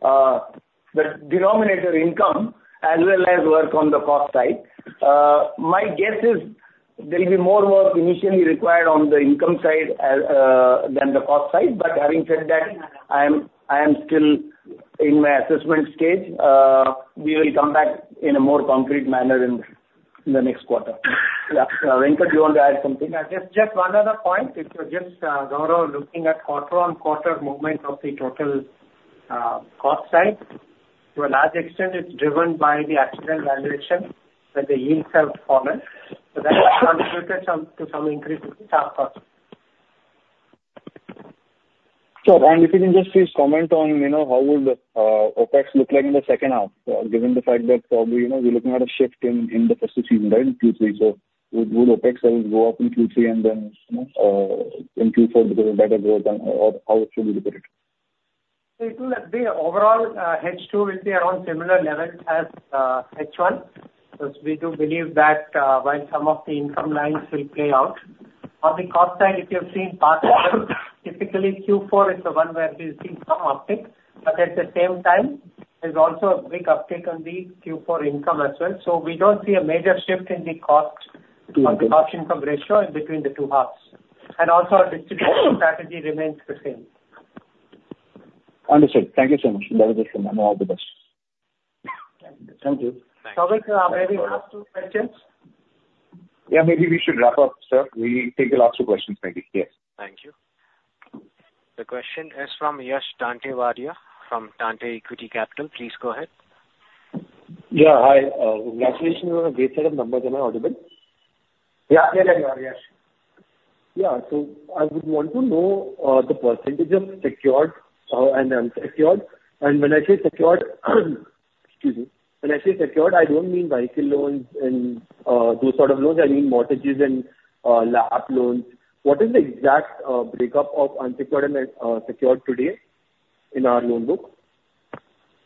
the denominator income as well as work on the cost side. My guess is there'll be more work initially required on the income side than the cost side. Having said that, I am, I am still in my assessment stage. We will come back in a more concrete manner in the next quarter. Yeah, Venkat, do you want to add something? Yeah, just, just one other point. It was just, Gaurav, looking at quarter on quarter movement of the total, cost side. To a large extent, it's driven by the actuarial valuation, that the yields have fallen. So that has contributed some, to some increase in the staff cost. Sure. And if you can just please comment on, you know, how would OpEx look like in the second half, given the fact that probably, you know, we're looking at a shift in the first season, right, in Q3. So would OpEx then go up in Q3 and then in Q4 because of better growth and/or how it should be looked at? It will be overall, H2 will be around similar levels as H1. Because we do believe that while some of the income lines will play out. On the cost side, if you have seen in the past, typically, Q4 is the one where we've seen some uptick. But at the same time, there's also a big uptick on the Q4 income as well. So we don't see a major shift in the cost on the cost-income ratio in between the two halves, and also, our distribution strategy remains the same. Understood. Thank you so much. Have a good one, and all the best. Thank you. Thank you. Souvik, may we have two questions? Yeah, maybe we should wrap up, sir. We'll take the last two questions maybe. Yes. Thank you. The question is from Yash Tantia from Tantia Equity Capital. Please go ahead. Yeah, hi. Congratulations on a great set of numbers. Am I audible? Yeah, clear, clear, Yash. Yeah. So I would want to know the percentage of secured and unsecured. And when I say secured, excuse me, when I say secured, I don't mean vehicle loans and those sort of loans. I mean, mortgages and LAP loans. What is the exact breakup of unsecured and secured today in our loan book?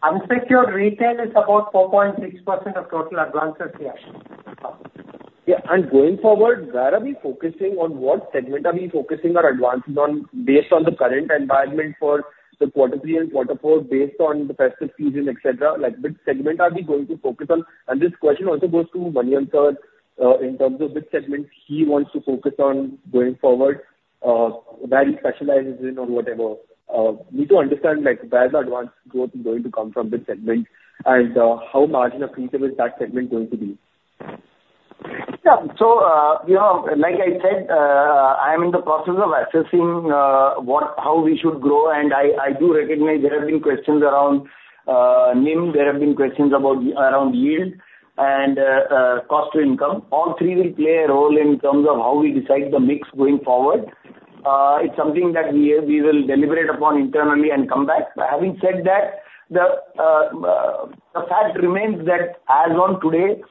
Unsecured retail is about 4.6% of total advances, Yash. Yeah, and going forward, where are we focusing? On what segment are we focusing our advances on, based on the current environment for Q3 and Q4, based on the festive season, et cetera, like, which segment are we going to focus on? And this question also goes to Manian, in terms of which segments he wants to focus on going forward, where he specializes in or whatever. We need to understand, like, where the advance growth is going to come from this segment, and, how marginal feasible that segment is going to be. Yeah. So, you know, like I said, I am in the process of assessing, what... how we should grow. And I do recognize there have been questions around NIM, there have been questions about, around yield and, cost to income. All three will play a role in terms of how we decide the mix going forward. It's something that we will deliberate upon internally and come back. But having said that, the fact remains that as on today,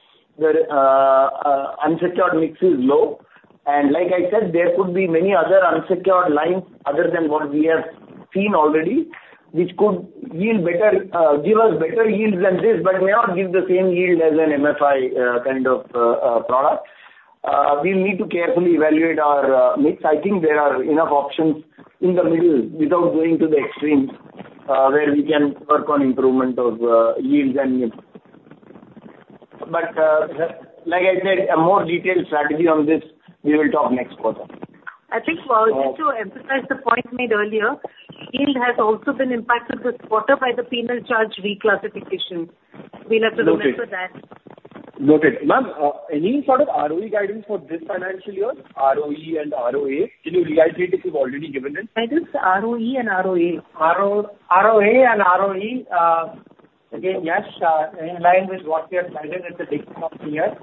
the unsecured mix is low, and like I said, there could be many other unsecured lines other than what we have seen already, which could yield better, give us better yields than this, but may not give the same yield as an MFI, kind of, product. We need to carefully evaluate our mix. I think there are enough options in the middle without going to the extremes where we can work on improvement of yields and NIM. But, like I said, a more detailed strategy on this, we will talk next quarter. I think just to emphasize the point made earlier, yield has also been impacted this quarter by the penal charge reclassification. We'll have to remember that. Noted. Ma'am, any sort of ROE guidance for this financial year, ROE and ROA? Can you reiterate if you've already given it? I just, ROE and ROA. ROA and ROE, again, Yash, in line with what we have guided at the beginning of the year,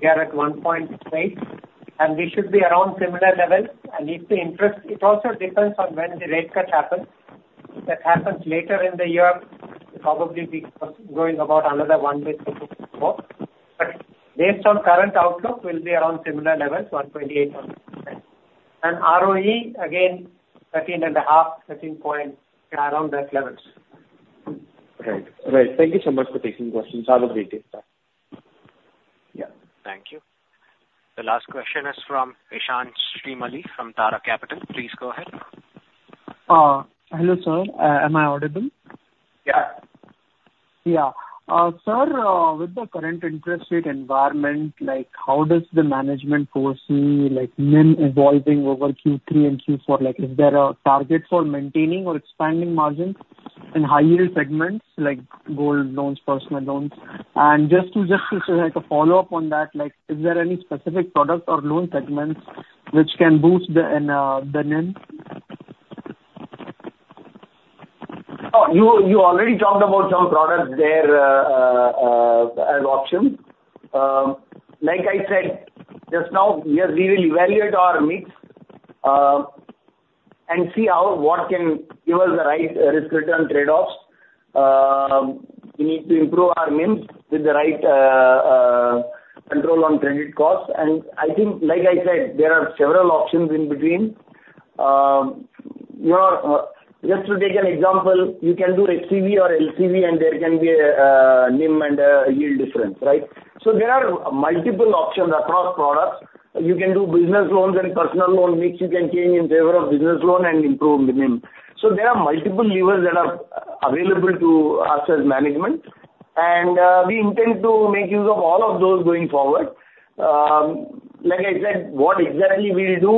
we are at 1.8%, and we should be around similar levels. And if the interest... It also depends on when the rate cut happens. If that happens later in the year, it'll probably be going about another 1 basis point more. But based on current outlook, we'll be around similar levels, 1.8%. And ROE, again, 13.5%, 13%, around that levels. Right. Right. Thank you so much for taking the questions. Have a great day. Bye. Yeah. Thank you. The last question is from Ishant Shrimali from Tara Capital. Please go ahead. Hello, sir. Am I audible? Yeah. Yeah. Sir, with the current interest rate environment, like, how does the management foresee, like, NIM evolving over Q3 and Q4? Like, is there a target for maintaining or expanding margins in high-yield segments, like gold loans, personal loans? And just to, like, a follow-up on that, like, is there any specific product or loan segments which can boost the NIM? Oh, you already talked about some products there, as options. Like I said, just now, yes, we will evaluate our mix, and see how, what can give us the right risk-return trade-offs. We need to improve our NIM with the right, control on credit costs. And I think, like I said, there are several options in between. You know, just to take an example, you can do HCV or LCV, and there can be a NIM and a yield difference, right? So there are multiple options across products. You can do business loans and personal loan mix. You can change in favor of business loan and improve the NIM. So there are multiple levers that are available to us as management, and, we intend to make use of all of those going forward. Like I said, what exactly we'll do,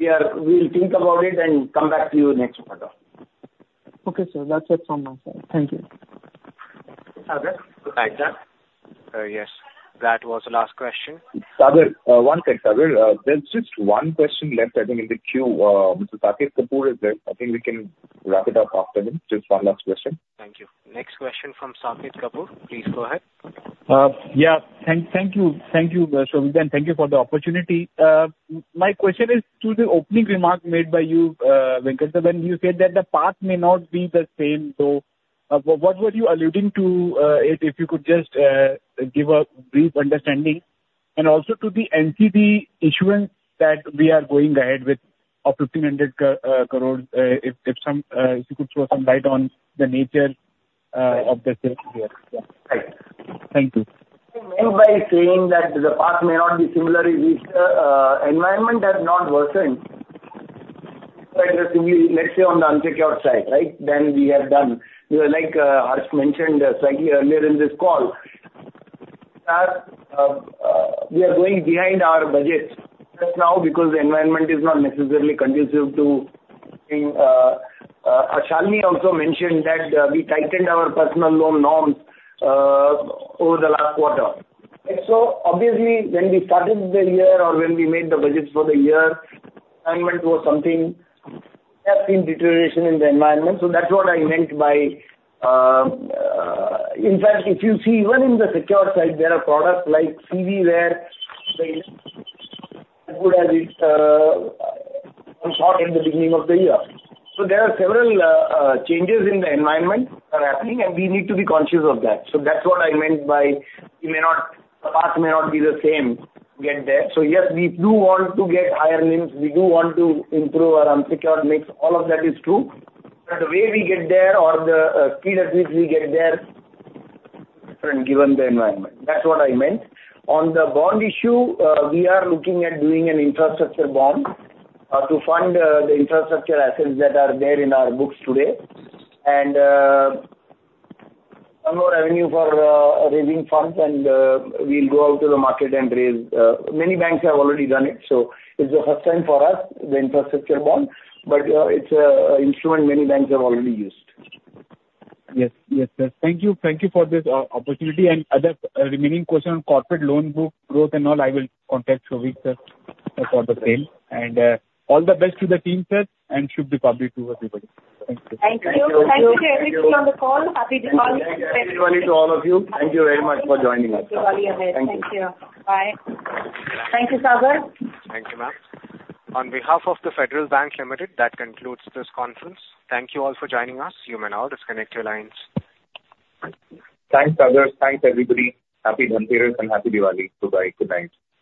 we will think about it and come back to you next quarter. Okay, sir. That's it from my side. Thank you. Okay. Good night, sir. Yes, that was the last question. Sagar, one thing, Sagar, there's just one question left, I think, in the queue. Mr. Saket Kapoor is there. I think we can wrap it up after him. Just one last question. Thank you. Next question from Saket Kapoor. Please go ahead. Thank you. Thank you, Souvik, and thank you for the opportunity. My question is to the opening remark made by you, Venkat, when you said that the path may not be the same, so what were you alluding to, if you could just give a brief understanding, and also to the NCD issuance that we are going ahead with of 1,500 crore, if you could throw some light on the nature of the year. Yeah. Right. Thank you. What I meant by saying that the path may not be similar is, environment has not worsened, right? Let's say on the unsecured side, right? Than we have done. You know, like, Harsh mentioned slightly earlier in this call, that, we are going behind our budgets just now because the environment is not necessarily conducive to being... Shalini also mentioned that, we tightened our personal loan norms, over the last quarter. And so, obviously, when we started the year or when we made the budgets for the year, environment was something that's seen deterioration in the environment. So that's what I meant by... In fact, if you see even in the secured side, there are products like CV, where the asset growth was short in the beginning of the year. So there are several changes in the environment are happening, and we need to be conscious of that. So that's what I meant by the path may not be the same to get there. So yes, we do want to get higher NIMs, we do want to improve our unsecured mix. All of that is true, but the way we get there or the speed at which we get there different, given the environment. That's what I meant. On the bond issue, we are looking at doing an infrastructure bond to fund the infrastructure assets that are there in our books today, and some more revenue for raising funds, and we'll go out to the market and raise... Many banks have already done it, so it's the first time for us, the Infrastructure Bond, but it's an instrument many banks have already used. Yes. Yes, sir. Thank you. Thank you for this opportunity and other remaining question on corporate loan book growth and all, I will contact Souvik, sir, for the same. And, all the best to the team, sir, and Happy Diwali to everybody. Thank you. Thank you. Thank you. Thank you to everybody on the call. Happy Diwali. Happy Diwali to all of you. Thank you very much for joining us. Happy Diwali again. Thank you. Bye. Thank you, Sagar. Thank you, ma'am. On behalf of the Federal Bank Limited, that concludes this conference. Thank you all for joining us. You may now disconnect your lines. Thanks, Sagar. Thanks, everybody. Happy Dhanteras and Happy Diwali! Bye-bye. Good night.